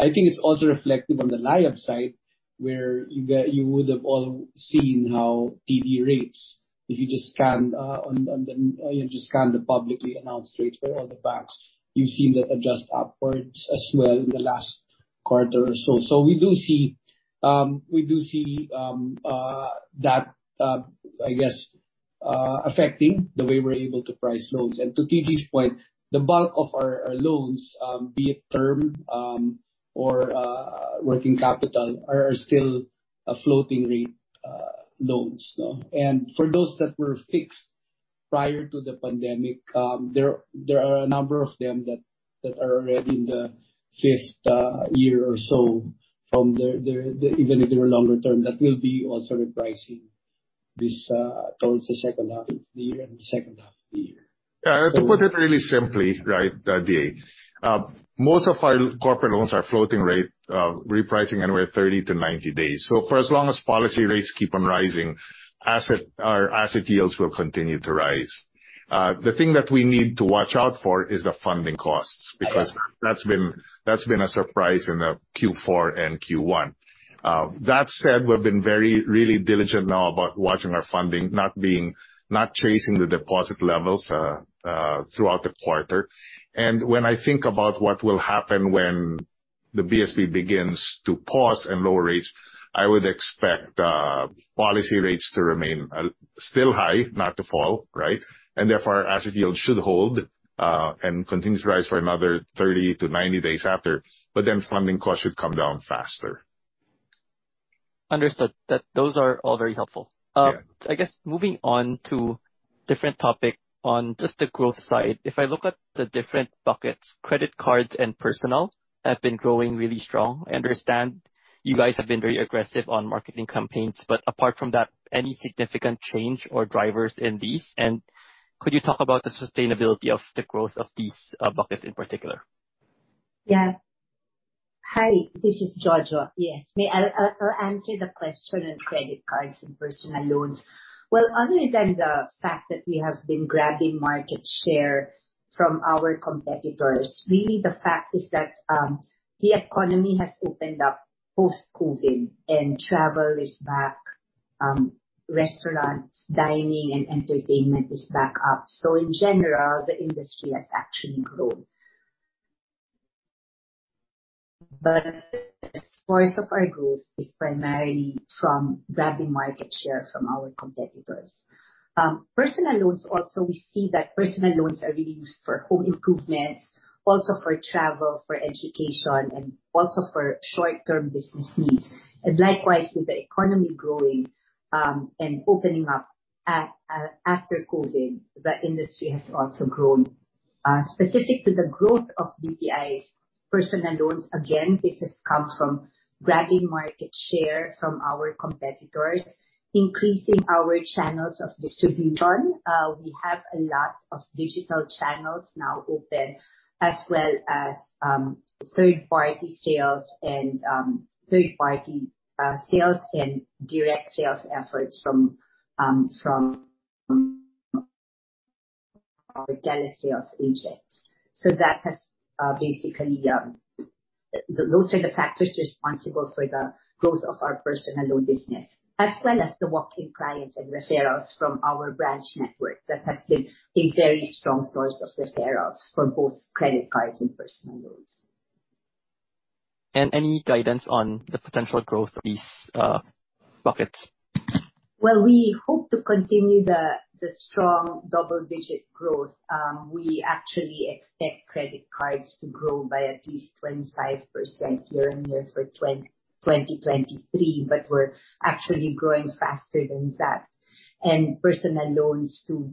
I think it's also reflective on the liability side, where you would have all seen how TD rates, if you just scan the publicly announced rates for all the banks, you see they adjust upwards as well in the last quarter or so. We do see that, I guess, affecting the way we're able to price loans. To TG's point, the bulk of our loans, be it term or working capital are still a floating rate loans. No? For those that were fixed prior to the pandemic, there are a number of them that are already in the fifth year or so from their. Even if they were longer term, that will be also repricing this towards the second half of the year. Yeah. To put it really simply, right, D.A, most of our corporate loans are floating rate, repricing anywhere 30-90 days. For as long as policy rates keep on rising, our asset yields will continue to rise. The thing that we need to watch out for is the funding costs. That's been a surprise in the Q4 and Q1. That said, we've been very really diligent now about watching our funding, not chasing the deposit levels throughout the quarter. When I think about what will happen when the BSP begins to pause and lower rates, I would expect policy rates to remain still high, not to fall, right? Therefore, our asset yield should hold and continue to rise for another 30-90 days after. Then funding costs should come down faster. Understood. Those are all very helpful. I guess moving on to different topic, on just the growth side. If I look at the different buckets, credit cards and personal have been growing really strong. I understand you guys have been very aggressive on marketing campaigns, but apart from that, any significant change or drivers in these? And could you talk about the sustainability of the growth of these buckets in particular? Hi, this is Jojo. I'll answer the question on credit cards and personal loans. Well, other than the fact that we have been grabbing market share from our competitors, really the fact is that the economy has opened up post-COVID and travel is back, restaurants, dining and entertainment is back up. In general, the industry has actually grown. The source of our growth is primarily from grabbing market share from our competitors. Personal loans also, we see that personal loans are really used for home improvements, also for travel, for education and also for short-term business needs. Likewise, with the economy growing and opening up after COVID, the industry has also grown. Specific to the growth of BPI's personal loans, again, this has come from grabbing market share from our competitors, increasing our channels of distribution. We have a lot of Digital Channels now open, as well as third-party sales and direct sales efforts from our telesales agents. Those are the factors responsible for the growth of our personal loan business, as well as the walk-in clients and referrals from our branch network. That has been a very strong source of referrals for both credit cards and personal loans. Any guidance on the potential growth of these buckets? Well, we hope to continue the strong double-digit growth. We actually expect credit cards to grow by at least 25% year-on-year for 2023, but we're actually growing faster than that. Personal loans to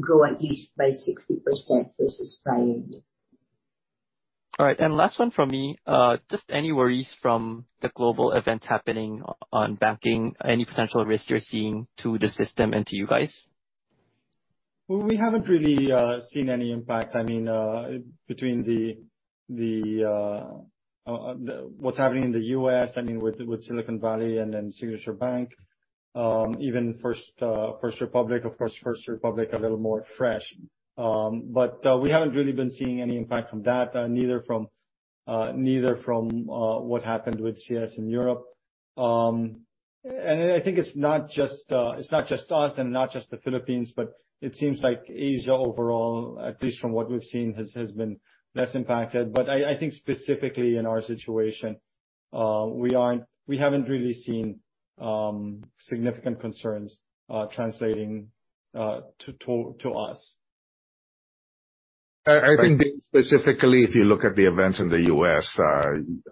grow at least by 60% versus prior year. All right. Last one from me. Just any worries from the global events happening on banking? Any potential risk you're seeing to the system and to you guys? Well, we haven't really seen any impact. I mean, between what's happening in the U.S., I mean, with Silicon Valley Bank and then Signature Bank, even First Republic Bank. Of course, First Republic Bank a little more fresh. We haven't really been seeing any impact from that, neither from what happened with Credit Suisse in Europe. I think it's not just us and not just the Philippines, but it seems like Asia overall, at least from what we've seen, has been less impacted. I think specifically in our situation, we haven't really seen significant concerns translating to us. I think specifically, if you look at the events in the U.S.,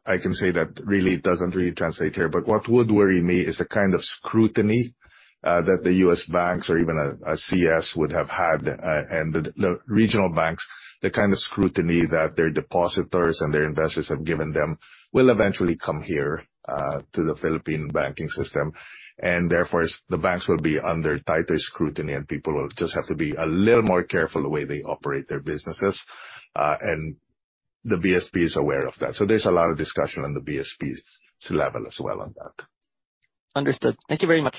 I can say that really it doesn't really translate here. But what would worry me is the kind of scrutiny that the U.S. banks or even Credit Suisse would have had, and the regional banks, the kind of scrutiny that their depositors and their investors have given them will eventually come here to the Philippine banking system. Therefore, the banks will be under tighter scrutiny, and people will just have to be a little more careful the way they operate their businesses. The BSP is aware of that. There's a lot of discussion on the BSP's level as well on that. Understood. Thank you very much.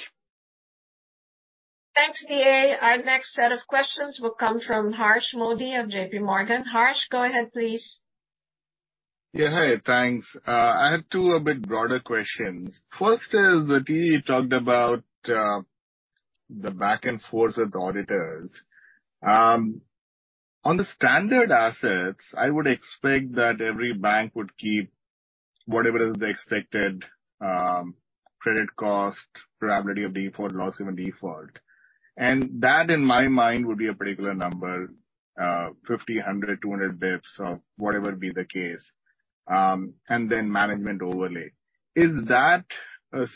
Thanks, D.A. Our next set of questions will come from Harsh Modi of JPMorgan. Harsh, go ahead please. Yeah, hi. Thanks. I have two a bit broader questions. First is that you talked about the back and forth with the auditors. On the standard assets, I would expect that every bank would keep whatever it is the expected credit cost, probability of default, loss given default. That, in my mind, would be a particular number, 50, 100, 200 basis points or whatever be the case, and then management overlay. Is that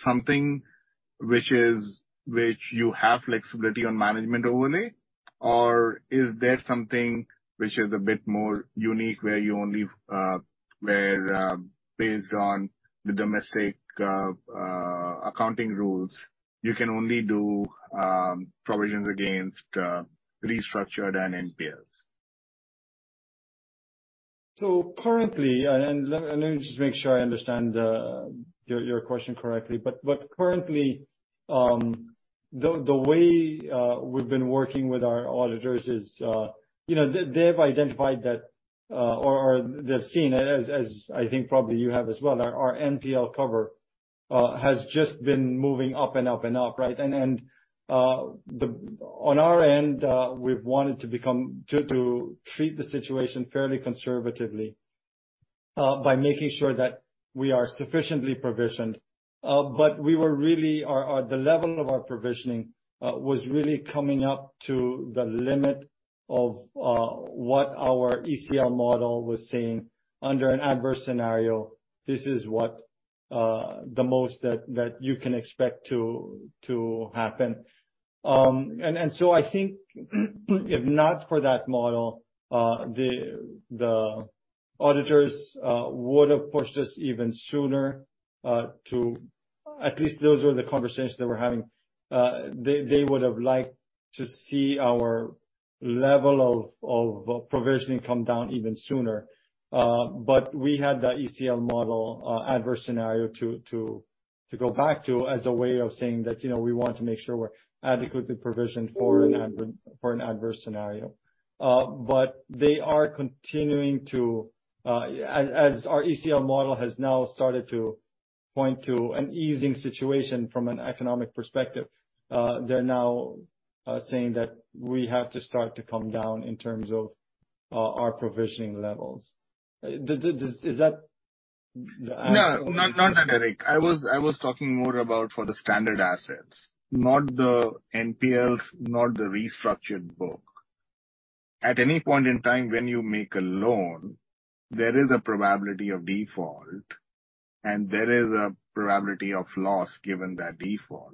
something which you have flexibility on management overlay? Or is there something which is a bit more unique where, based on the domestic accounting rules, you can only do provisions against restructured and NPLs? Currently, let me just make sure I understand your question correctly. Currently, the way we've been working with our auditors is, you know, they've identified that, or they've seen, as I think probably you have as well, our NPL cover has just been moving up and up and up, right? On our end, we've wanted to treat the situation fairly conservatively by making sure that we are sufficiently provisioned. The level of our provisioning was really coming up to the limit of what our ECL model was saying under an adverse scenario. This is what the most that you can expect to happen. I think if not for that model, the auditors would have pushed us even sooner. At least those were the conversations they were having. They would have liked to see our level of provisioning come down even sooner. We had that ECL model, adverse scenario to go back to as a way of saying that, you know, we want to make sure we're adequately provisioned for an adverse scenario. They are continuing to, as our ECL model has now started to point to an easing situation from an economic perspective, they're now saying that we have to start to come down in terms of our provisioning levels. Is that the answer? No. Not that, Eric. I was talking more about for the standard assets, not the NPLs, not the restructured book. At any point in time when you make a loan, there is a probability of default, and there is a probability of loss given that default.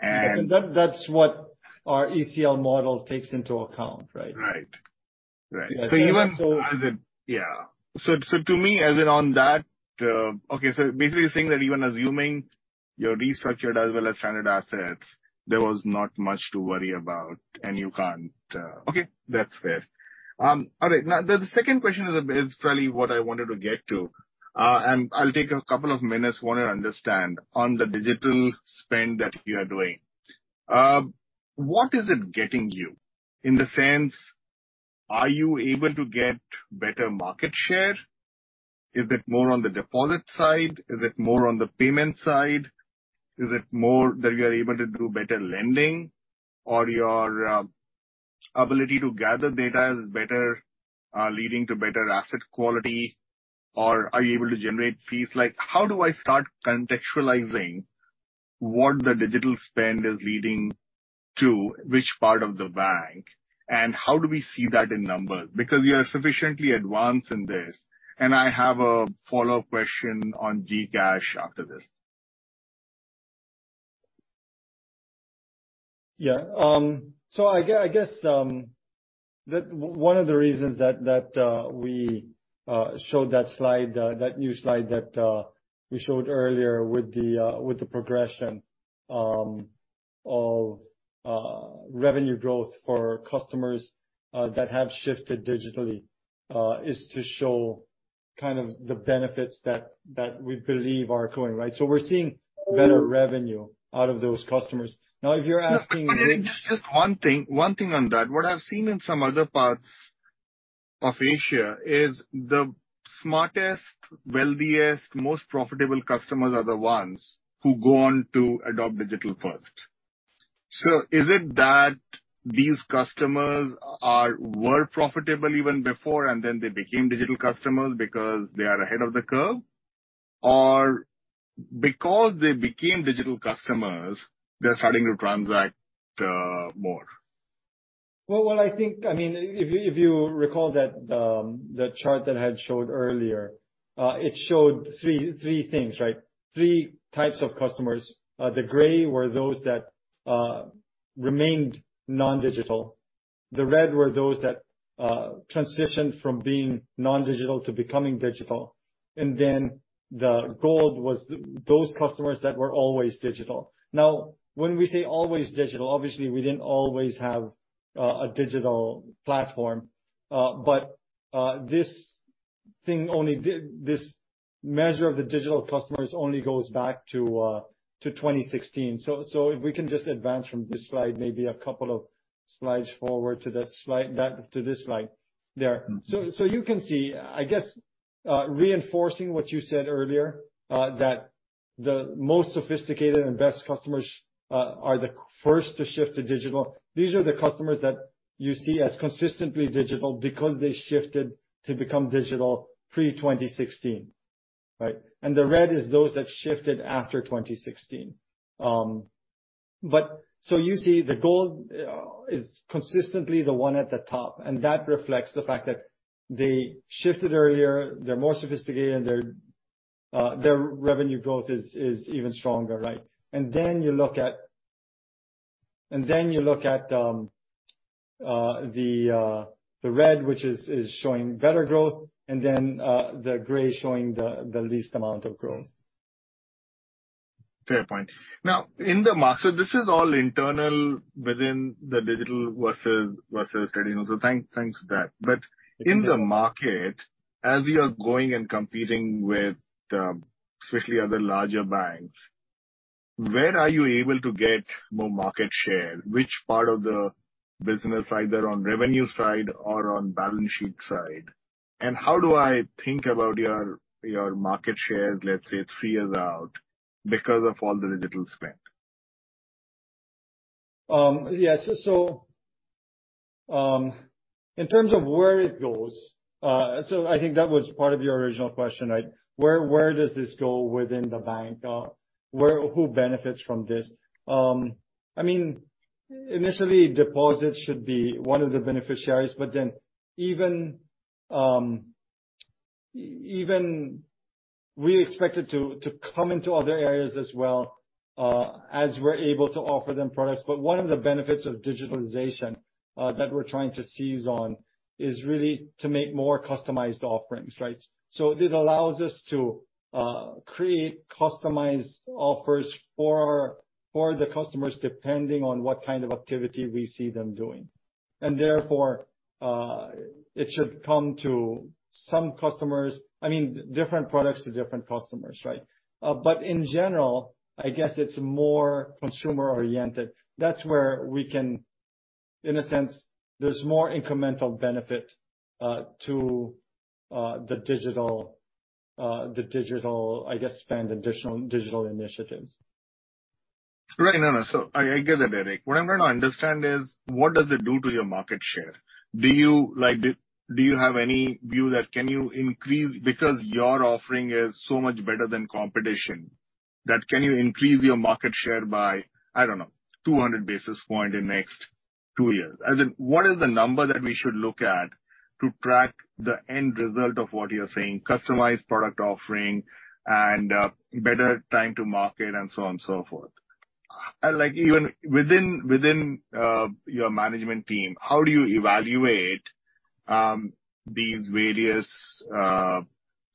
That's what our ECL model takes into account, right? Right. Right. Yeah. To me, on that, basically you're saying that even assuming your restructured as well as standard assets, there was not much to worry about and you can't. Okay, that's fair. All right. Now, the second question is probably what I wanted to get to. I'll take a couple of minutes. Wanna understand on the digital spend that you are doing, what is it getting you? In the sense, are you able to get better market share? Is it more on the deposit side? Is it more on the payment side? Is it more that you're able to do better lending? Or your ability to gather data is better, leading to better asset quality? Or are you able to generate fees? Like, how do I start contextualizing what the digital spend is leading to which part of the bank? How do we see that in numbers? Because you are sufficiently advanced in this. I have a follow-up question on GCash after this. Yeah. I guess that one of the reasons that we showed that slide, that new slide that we showed earlier with the progression of revenue growth for customers that have shifted digitally, is to show kind of the benefits that we believe are occurring, right? We're seeing better revenue out of those customers. Now, if you're asking- Just one thing. One thing on that. What I've seen in some other parts of Asia is the smartest, wealthiest, most profitable customers are the ones who go on to adopt digital first. Is it that these customers were profitable even before and then they became digital customers because they are ahead of the curve? Or because they became digital customers, they're starting to transact more? Well, what I think I mean, if you recall that, the chart that I had showed earlier, it showed three things, right? Three types of customers. The gray were those that remained non-digital. The red were those that transitioned from being non-digital to becoming digital. Then the gold was those customers that were always digital. Now, when we say always digital, obviously we didn't always have a digital platform. But this measure of the digital customers only goes back to 2016. If we can just advance from this slide, maybe a couple of slides forward to the slide. Back to this slide there. You can see, I guess, reinforcing what you said earlier, that the most sophisticated and best customers are the first to shift to digital. These are the customers that you see as consistently digital because they shifted to become digital pre-2016. Right? The red is those that shifted after 2016. You see the gold is consistently the one at the top, and that reflects the fact that they shifted earlier, they're more sophisticated, and their revenue growth is even stronger, right? Then you look at the red, which is showing better growth, and then the gray showing the least amount of growth. Fair point. Now in the market, this is all internal within the digital versus traditional. Thanks for that. In the market, as you are going and competing with especially other larger banks, where are you able to get more market share? Which part of the business, either on revenue side or on balance sheet side? How do I think about your market share, let's say it figures out because of all the digital spend? Yes. In terms of where it goes, I think that was part of your original question, right? Where does this go within the bank? Where or who benefits from this? I mean, initially, deposits should be one of the beneficiaries, but then even we expect it to come into other areas as well, as we're able to offer them products. One of the benefits of digitalization that we're trying to seize on is really to make more customized offerings, right? It allows us to create customized offers for the customers, depending on what kind of activity we see them doing. Therefore, it should come to some customers. I mean, different products to different customers, right? In general, I guess it's more consumer-oriented. That's where we can, in a sense, there's more incremental benefit to the digital, I guess, spend and digital initiatives. Right. No, no. I get that, Eric. What I'm trying to understand is what does it do to your market share? Do you, like, have any view that you can increase because your offering is so much better than competition, that you can increase your market share by, I don't know, 200 basis points in next two years? What is the number that we should look at to track the end result of what you're saying, customized product offering and better time to market and so on and so forth? Like even within your Management team, how do you evaluate these various,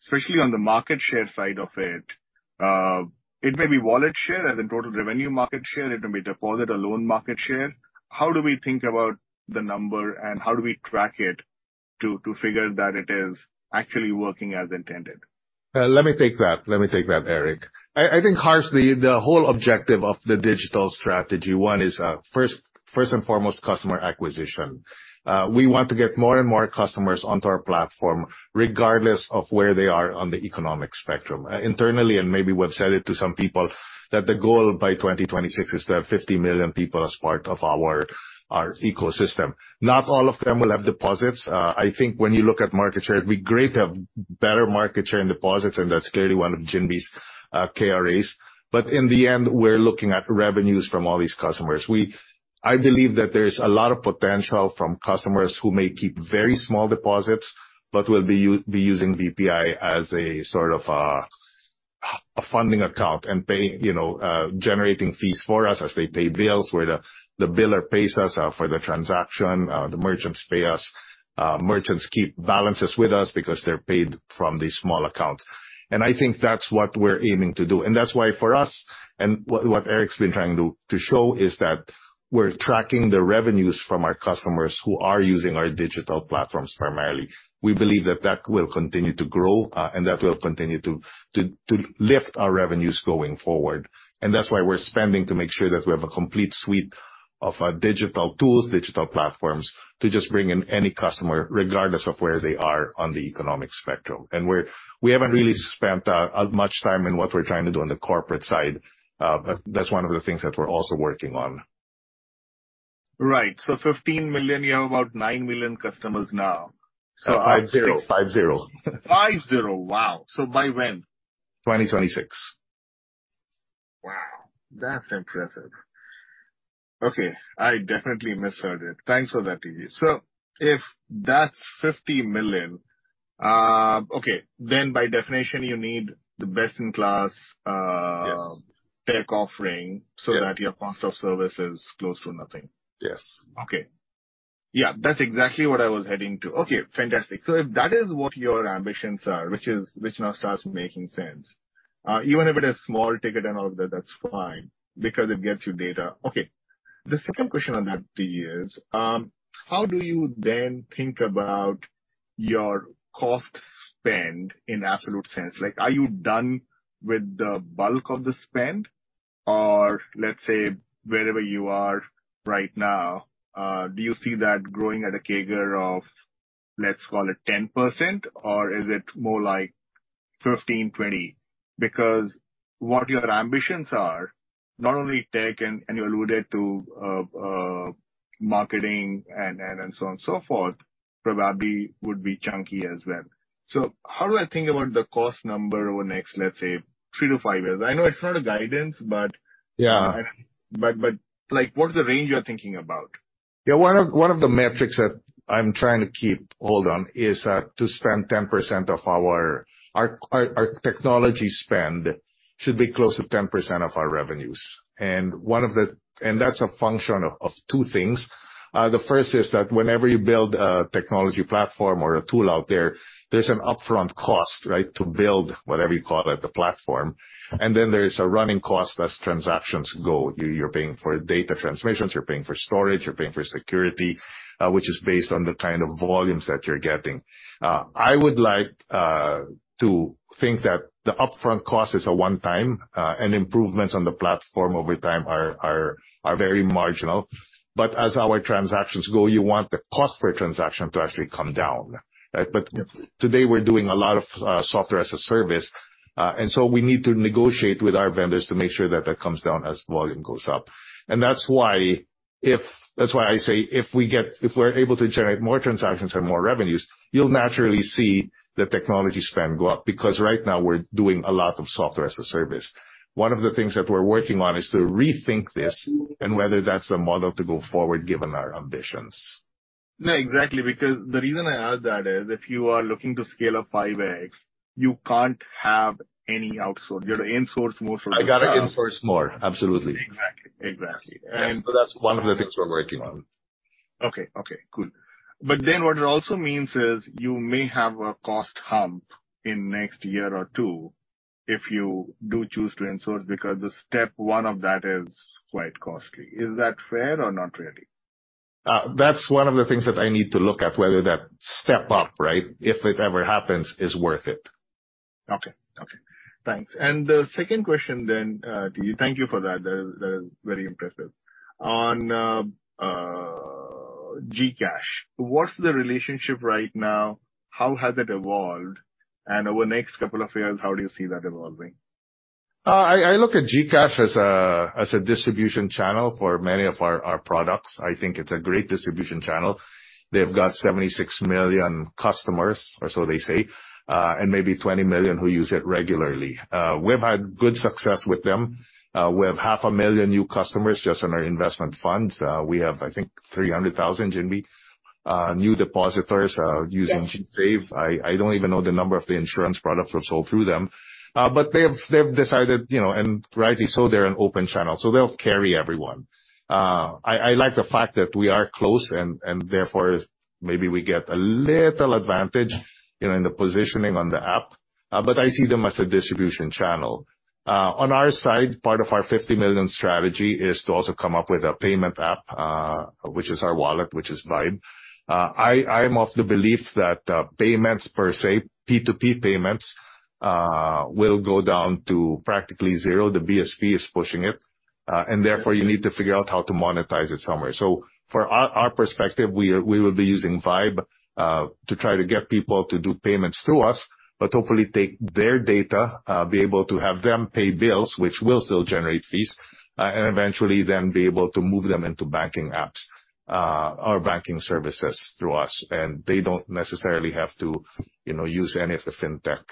especially on the market share side of it. It may be wallet share, as in total revenue market share, it may be deposit or loan market share. How do we think about the number, and how do we track it to figure that it is actually working as intended? Let me take that, Eric. I think, Harsh, the whole objective of the digital strategy, one is first and foremost, customer acquisition. We want to get more and more customers onto our platform regardless of where they are on the economic spectrum. Internally, and maybe we've said it to some people, that the goal by 2026 is to have 50 million people as part of our ecosystem. Not all of them will have deposits. I think when you look at market share, it'd be great to have better market share and deposits, and that's clearly one of Ginbee's KRAs. In the end, we're looking at revenues from all these customers. I believe that there's a lot of potential from customers who may keep very small deposits, but will be using BPI as a sort of, a funding account and pay, you know, generating fees for us as they pay bills, where the biller pays us, for the transaction, the merchants pay us. Merchants keep balances with us because they're paid from these small accounts. I think that's what we're aiming to do. That's why for us, and what Eric's been trying to show, is that we're tracking the revenues from our customers who are using our digital platforms primarily. We believe that that will continue to grow, and that will continue to lift our revenues going forward. That's why we're spending to make sure that we have a complete suite of digital tools, digital platforms, to just bring in any customer, regardless of where they are on the economic spectrum. We haven't really spent as much time in what we're trying to do on the corporate side, but that's one of the things that we're also working on. Right. 15 million. You have about 9 million customers now. No, 50 million. 50 million. Wow. By when? 2026. Wow. That's impressive. Okay. I definitely misheard it. Thanks for that, TG. If that's 50 million, okay, then by definition, you need the best in class tech offering that your cost of service is close to nothing. Yes. Okay. Yeah, that's exactly what I was heading to. Okay, fantastic. If that is what your ambitions are, which now starts making sense, even if it is small ticket and all of that's fine because it gets you data. Okay. The second question I'd have to you is, how do you then think about your cost spend in absolute sense? Like, are you done with the bulk of the spend or let's say wherever you are right now, do you see that growing at a CAGR of, let's call it 10% or is it more like 15%, 20%? What your ambitions are, not only tech and you alluded to marketing and so on and so forth probably would be chunky as well. How do I think about the cost number over the next, let's say, three to five years? I know it's not a guidance but like what is the range you're thinking about? Yeah. One of the metrics that I'm trying to keep hold on is that our technology spend should be close to 10% of our revenues. That's a function of two things. The first is that whenever you build a technology platform or a tool out there's an upfront cost, right? To build whatever you call it, the platform. Then there is a running cost as transactions go. You're paying for data transmissions, you're paying for storage, you're paying for security, which is based on the kind of volumes that you're getting. I would like to think that the upfront cost is a one-time, and improvements on the platform over time are very marginal. As our transactions go, you want the cost per transaction to actually come down. Today we're doing a lot of software as a service, and so we need to negotiate with our vendors to make sure that that comes down as volume goes up. That's why I say if we're able to generate more transactions and more revenues, you'll naturally see the technology spend go up because right now we're doing a lot of software as a service. One of the things that we're working on is to rethink this and whether that's the model to go forward given our ambitions. No, exactly, because the reason I ask that is if you are looking to scale up 5x you can't have any outsourcing. You are to in-source most of the tasks. I gotta in-source more. Absolutely. Exactly. That's one of the things we're working on. Okay. Okay, cool. What it also means is you may have a cost hump in next year or two if you do choose to in-source because the step one of that is quite costly. Is that fair or not really? That's one of the things that I need to look at, whether that step up, right? If it ever happens, is worth it. Okay. Thanks. The second question then to you. Thank you for that. That is very impressive. On GCash, what's the relationship right now? How has it evolved? Over the next couple of years, how do you see that evolving? I look at GCash as a distribution channel for many of our products. I think it's a great distribution channel. They've got 76 million customers or so they say, and maybe 20 million who use it regularly. We've had good success with them. We have 500,000 new customers just on our investment funds. We have I think 300,000 new depositors using GSave. I don't even know the number of the insurance products that are sold through them. They've decided, you know, and rightly so, they're an open channel, so they'll carry everyone. I like the fact that we are close and therefore maybe we get a little advantage, you know, in the positioning on the app, but I see them as a distribution channel. On our side, part of our 50 million strategy is to also come up with a payment app, which is our wallet, which is Vybe. I'm of the belief that payments per se, P2P payments, will go down to practically zero. The BSP is pushing it. Therefore you need to figure out how to monetize it somewhere. For our perspective, we will be using Vybe to try to get people to do payments through us, but hopefully take their data, be able to have them pay bills which will still generate fees, and eventually then be able to move them into banking apps or banking services through us. They don't necessarily have to, you know, use any of the fintech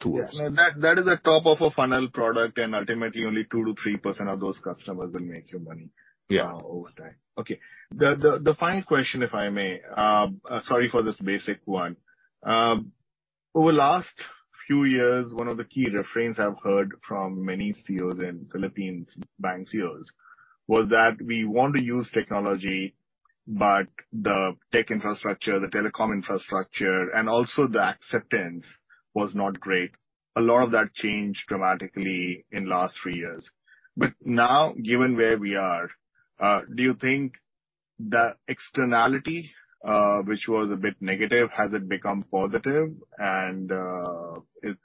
tools. Yes. That is a top of a funnel product and ultimately only 2%-3% of those customers will make you money. Yeah. Over time. Okay. The final question if I may. Sorry for this basic one. Over the last few years, one of the key refrains I've heard from many CEOs and Philippine bank CEOs was that we want to use technology, but the tech infrastructure, the telecom infrastructure and also the acceptance was not great. A lot of that changed dramatically in last three years. Now, given where we are, do you think the externality, which was a bit negative, has it become positive and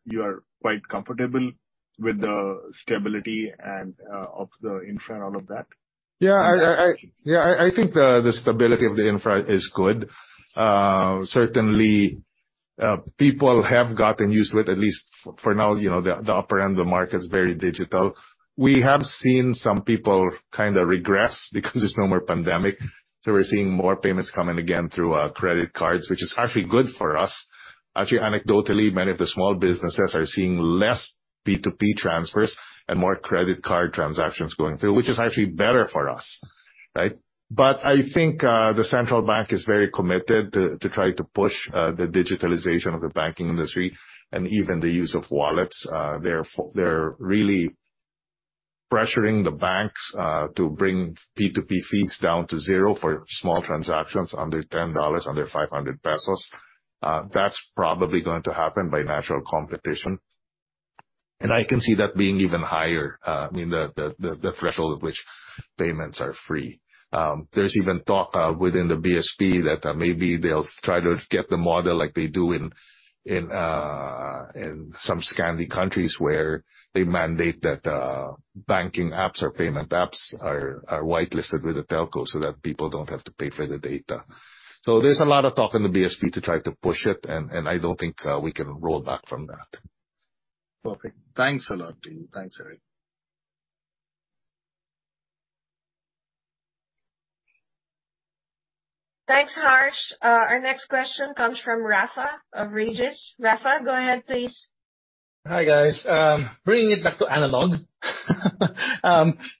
you are quite comfortable with the stability and of the infra and all of that? Yeah. I think the stability of the infra is good. Certainly, people have gotten used to it, at least for now, you know, the upper end of the market is very digital. We have seen some people kinda regress because there's no more pandemic, so we're seeing more payments coming again through credit cards, which is actually good for us. Actually, anecdotally, many of the small businesses are seeing less P2P transfers and more credit card transactions going through, which is actually better for us, right? I think the central bank is very committed to try to push the digitalization of the banking industry and even the use of wallets. They're really pressuring the banks to bring P2P fees down to zero for small transactions under $10, under 500 pesos, that's probably going to happen by natural competition. I can see that being even higher, I mean, the threshold at which payments are free. There's even talk within the BSP that maybe they'll try to get the model like they do in some Scandinavian countries where they mandate that banking apps or payment apps are whitelisted with the telco so that people don't have to pay for the data. There's a lot of talk in the BSP to try to push it, and I don't think we can roll back from that. Perfect. Thanks a lot, TG. Thanks, Eric. Thanks, Harsh. Our next question comes from Rafa of Regis. Rafa, go ahead please. Hi, guys. Bringing it back to analog.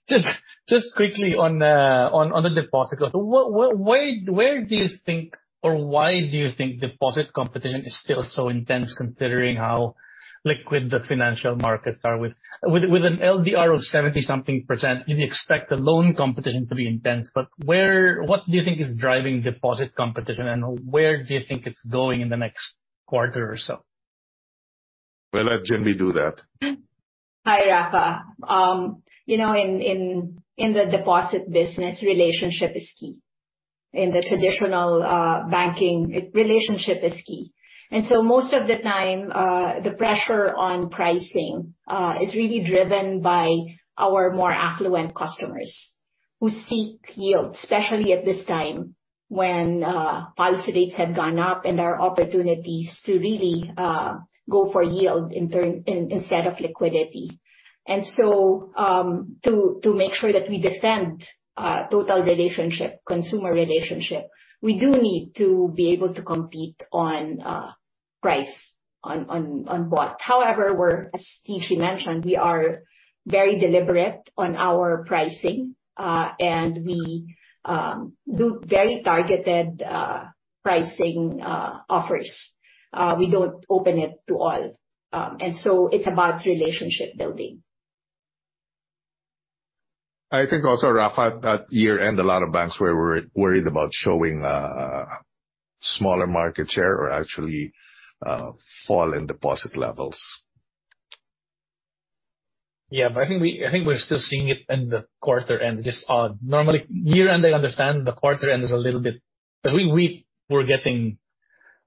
Just quickly on the deposit growth. Where do you think or why do you think deposit competition is still so intense considering how liquid the financial markets are with an LDR of 70-something%? You'd expect the loan competition to be intense. What do you think is driving deposit competition, and where do you think it's going in the next quarter or so? We'll let Ginbee do that. Hi, Rafa. You know, in the deposit business, relationship is key. In the traditional banking, relationship is key. Most of the time, the pressure on pricing is really driven by our more affluent customers who seek yield, especially at this time when policy rates have gone up and there are opportunities to really go for yield in turn, instead of liquidity. To make sure that we defend total relationship, consumer relationship, we do need to be able to compete on price onboard. However, as TG mentioned, we are very deliberate on our pricing, and we do very targeted pricing offers. We don't open it to all. It's about relationship building. I think also, Rafa, at year-end, a lot of banks were worried about showing smaller market share or actually fall in deposit levels. I think we're still seeing it in the quarter end. Just normally year-end I understand, the quarter end is a little bit. We were getting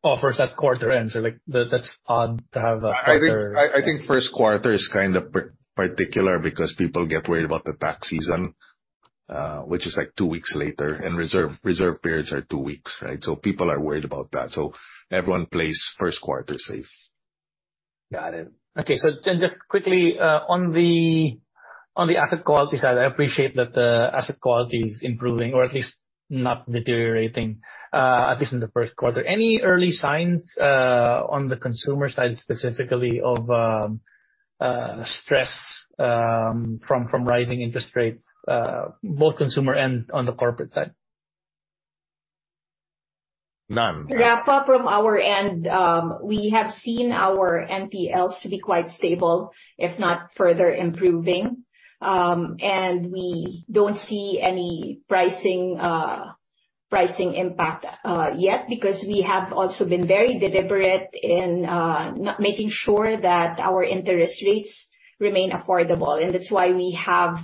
offers at quarter end, so like that's odd to have a quarter- I think first quarter is kind of particular because people get worried about the tax season, which is like two weeks later, and reserve periods are two weeks, right? People are worried about that. Everyone plays first quarter safe. Got it. Okay. Just quickly, on the asset quality side, I appreciate that the asset quality is improving or at least not deteriorating, at least in the first quarter. Any early signs, on the consumer side, specifically of stress, from rising interest rates, both consumer and on the corporate side? None. Rafa, from our end, we have seen our NPLs to be quite stable, if not further improving. We don't see any pricing impact yet because we have also been very deliberate in making sure that our interest rates remain affordable. That's why we have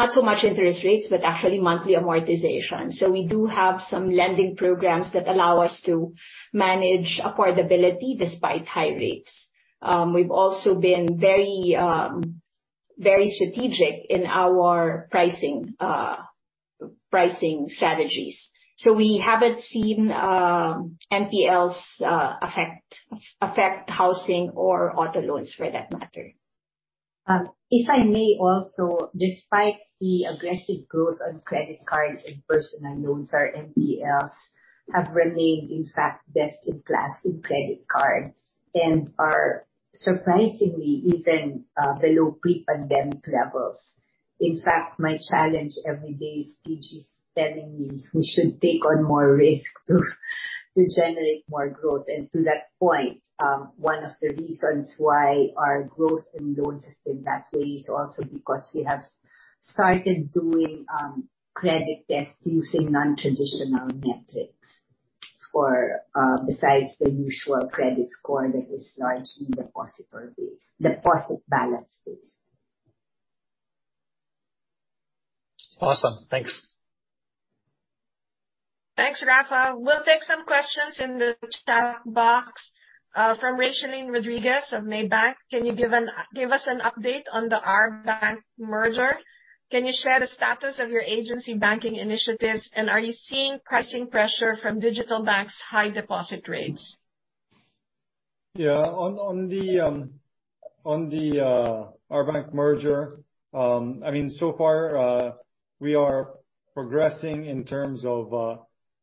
not so much interest rates, but actually monthly amortization. We do have some lending programs that allow us to manage affordability despite high rates. We've also been very strategic in our pricing strategies. We haven't seen NPLs affect housing or auto loans for that matter. If I may also, despite the aggressive growth on credit cards and personal loans, our NPLs have remained in fact best in class in credit cards and are surprisingly even below pre-pandemic levels. In fact, my challenge every day is TG's telling me we should take on more risk to generate more growth. To that point, one of the reasons why our growth in loans has been that way is also because we have started doing credit tests using non-traditional metrics besides the usual credit score that is largely depositor-based, deposit balance-based. Awesome. Thanks. Thanks, Rafa. We'll take some questions in the chat box from Rachelleen Rodriguez of Maybank. Can you give us an update on the Robinsons Bank merger? Can you share the status of your agency banking initiatives? Are you seeing pricing pressure from digital banks' high deposit rates? Yeah. On the Robinsons Bank merger, I mean, so far, we are progressing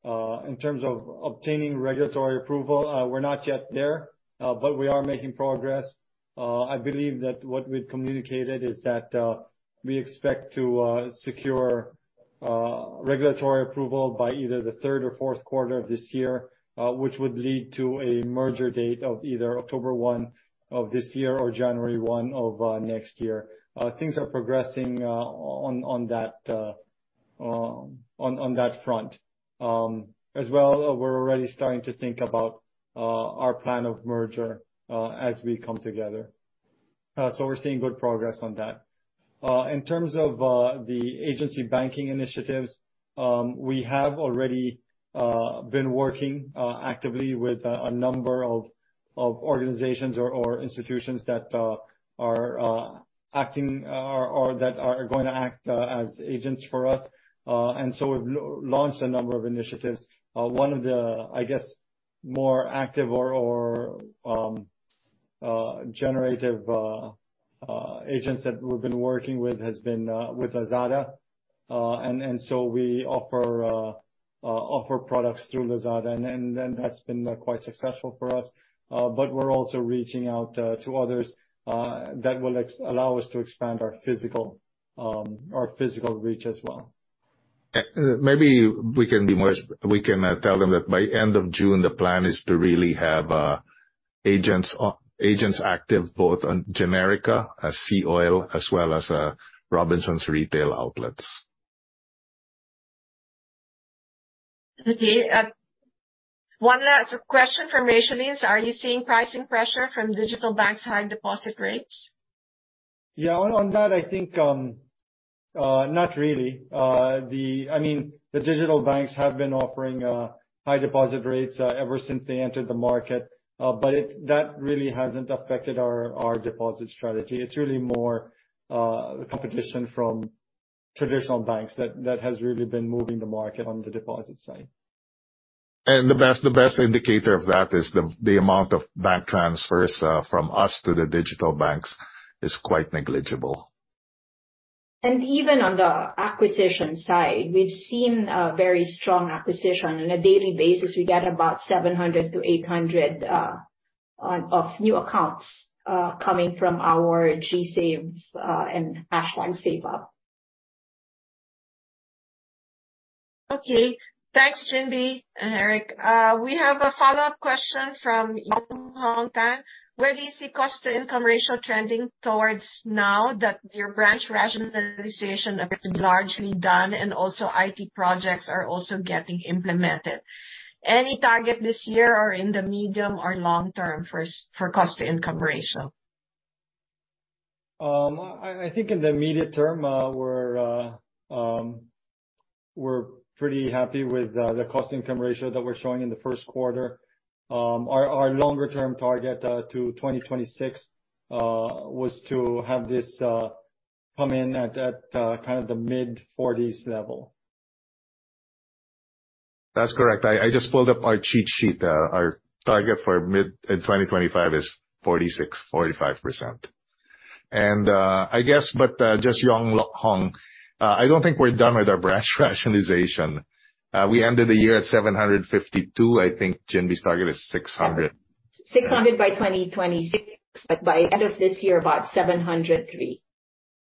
in terms of obtaining regulatory approval. We're not yet there, but we are making progress. I believe that what we've communicated is that we expect to secure regulatory approval by either the third or fourth quarter of this year, which would lead to a merger date of either October 1 of this year or January 1 of next year. Things are progressing on that front. As well, we're already starting to think about our plan of merger as we come together. We're seeing good progress on that. In terms of the agency banking initiatives, we have already been working actively with a number of organizations or institutions that are acting or that are going to act as agents for us. We've launched a number of initiatives. One of the, I guess, more active or generative agents that we've been working with has been with Lazada. We offer products through Lazada and that's been quite successful for us. We're also reaching out to others that will allow us to expand our physical reach as well. We can tell them that by end of June, the plan is to really have agents active both on Generika, Seaoil, as well as Robinsons Retail outlets. Okay. One last question from Rachelleen. Are you seeing pricing pressure from digital banks' high deposit rates? Yeah. On that, I think not really. I mean, the digital banks have been offering high deposit rates ever since they entered the market. That really hasn't affected our deposit strategy. It's really more competition from traditional banks that has really been moving the market on the deposit side. The best indicator of that is the amount of bank transfers from us to the digital banks is quite negligible. Even on the acquisition side, we've seen a very strong acquisition. On a daily basis, we get about 700-800 of new accounts coming from our GSave and BPI SaveUp. Okay. Thanks, Ginbee and Eric. We have a follow-up question from Yong Hong Tan. Where do you see cost-to-income ratio trending towards now that your branch rationalization is largely done and also IT projects are also getting implemented? Any target this year or in the medium or long term for cost-to-income ratio? I think in the immediate term, we're pretty happy with the cost-income ratio that we're showing in the first quarter. Our longer term target to 2026 was to have this come in at kind of the mid-40s level. That's correct. I just pulled up our cheat sheet. Our target for mid-2025 is 45-46%. I guess, but just Yong Hong, I don't think we're done with our branch rationalization. We ended the year at 752. I think Ginbee's target is 600. 600 by 2026, by end of this year, about 703.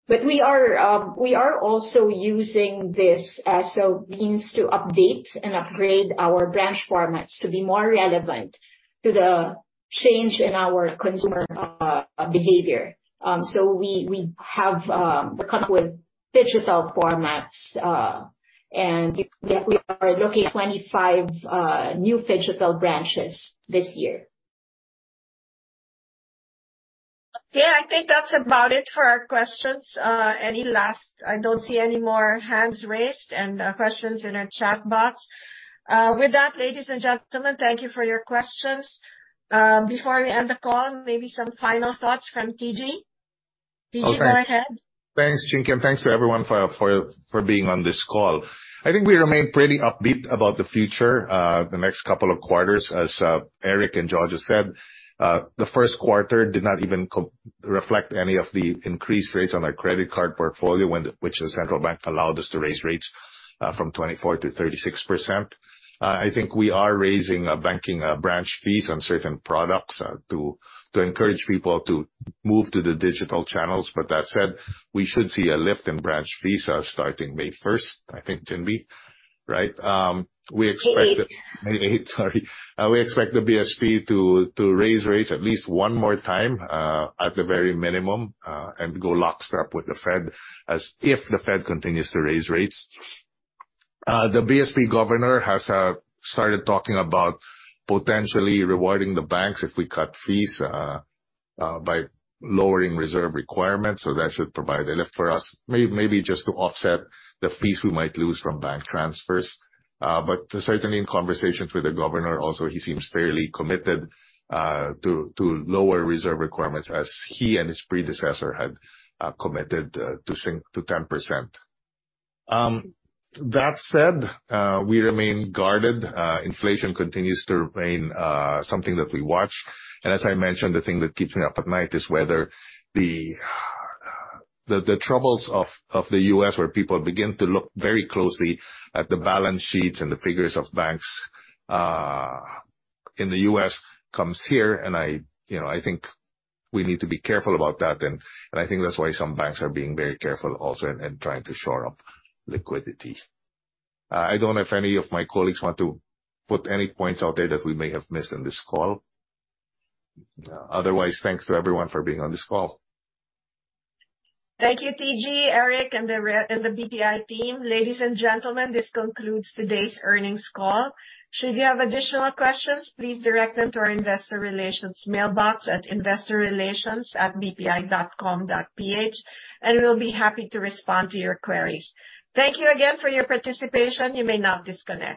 We are also using this as a means to update and upgrade our branch formats to be more relevant to the change in our consumer behavior. We have come up with phygital formats, and we are looking at 25 new phygital branches this year. Yeah. I think that's about it for our questions. I don't see any more hands raised and questions in our chat box. With that, ladies and gentlemen, thank you for your questions. Before we end the call, maybe some final thoughts from TG. TG, go ahead. Thanks, Ginbee, and thanks to everyone for being on this call. I think we remain pretty upbeat about the future, the next couple of quarters. As Eric and Jojo just said, the first quarter did not even reflect any of the increased rates on our credit card portfolio which the central bank allowed us to raise rates from 24%-36%. I think we are raising banking branch fees on certain products to encourage people to move to the Digital Channels. That said, we should see a lift in branch fees starting May 1st, I think, Ginbee, right? We expect- May 8. May 8, sorry. We expect the BSP to raise rates at least one more time, at the very minimum, and go lockstep with the Fed if the Fed continues to raise rates. The BSP Governor has started talking about potentially rewarding the banks if we cut fees by lowering reserve requirements. That should provide a lift for us, maybe just to offset the fees we might lose from bank transfers. Certainly in conversations with the governor also, he seems fairly committed to lower reserve requirements as he and his predecessor had committed to sync to 10%. That said, we remain guarded. Inflation continues to remain something that we watch. As I mentioned, the thing that keeps me up at night is whether the troubles of the U.S., where people begin to look very closely at the balance sheets and the figures of banks in the U.S., comes here. You know, I think we need to be careful about that. I think that's why some banks are being very careful also and trying to shore up liquidity. I don't know if any of my colleagues want to put any points out there that we may have missed on this call. Otherwise, thanks to everyone for being on this call. Thank you, TG, Eric, and the BPI team. Ladies and gentlemen, this concludes today's earnings call. Should you have additional questions, please direct them to our Investor Relations mailbox at investorrelations@bpi.com.ph and we'll be happy to respond to your queries. Thank you again for your participation. You may now disconnect.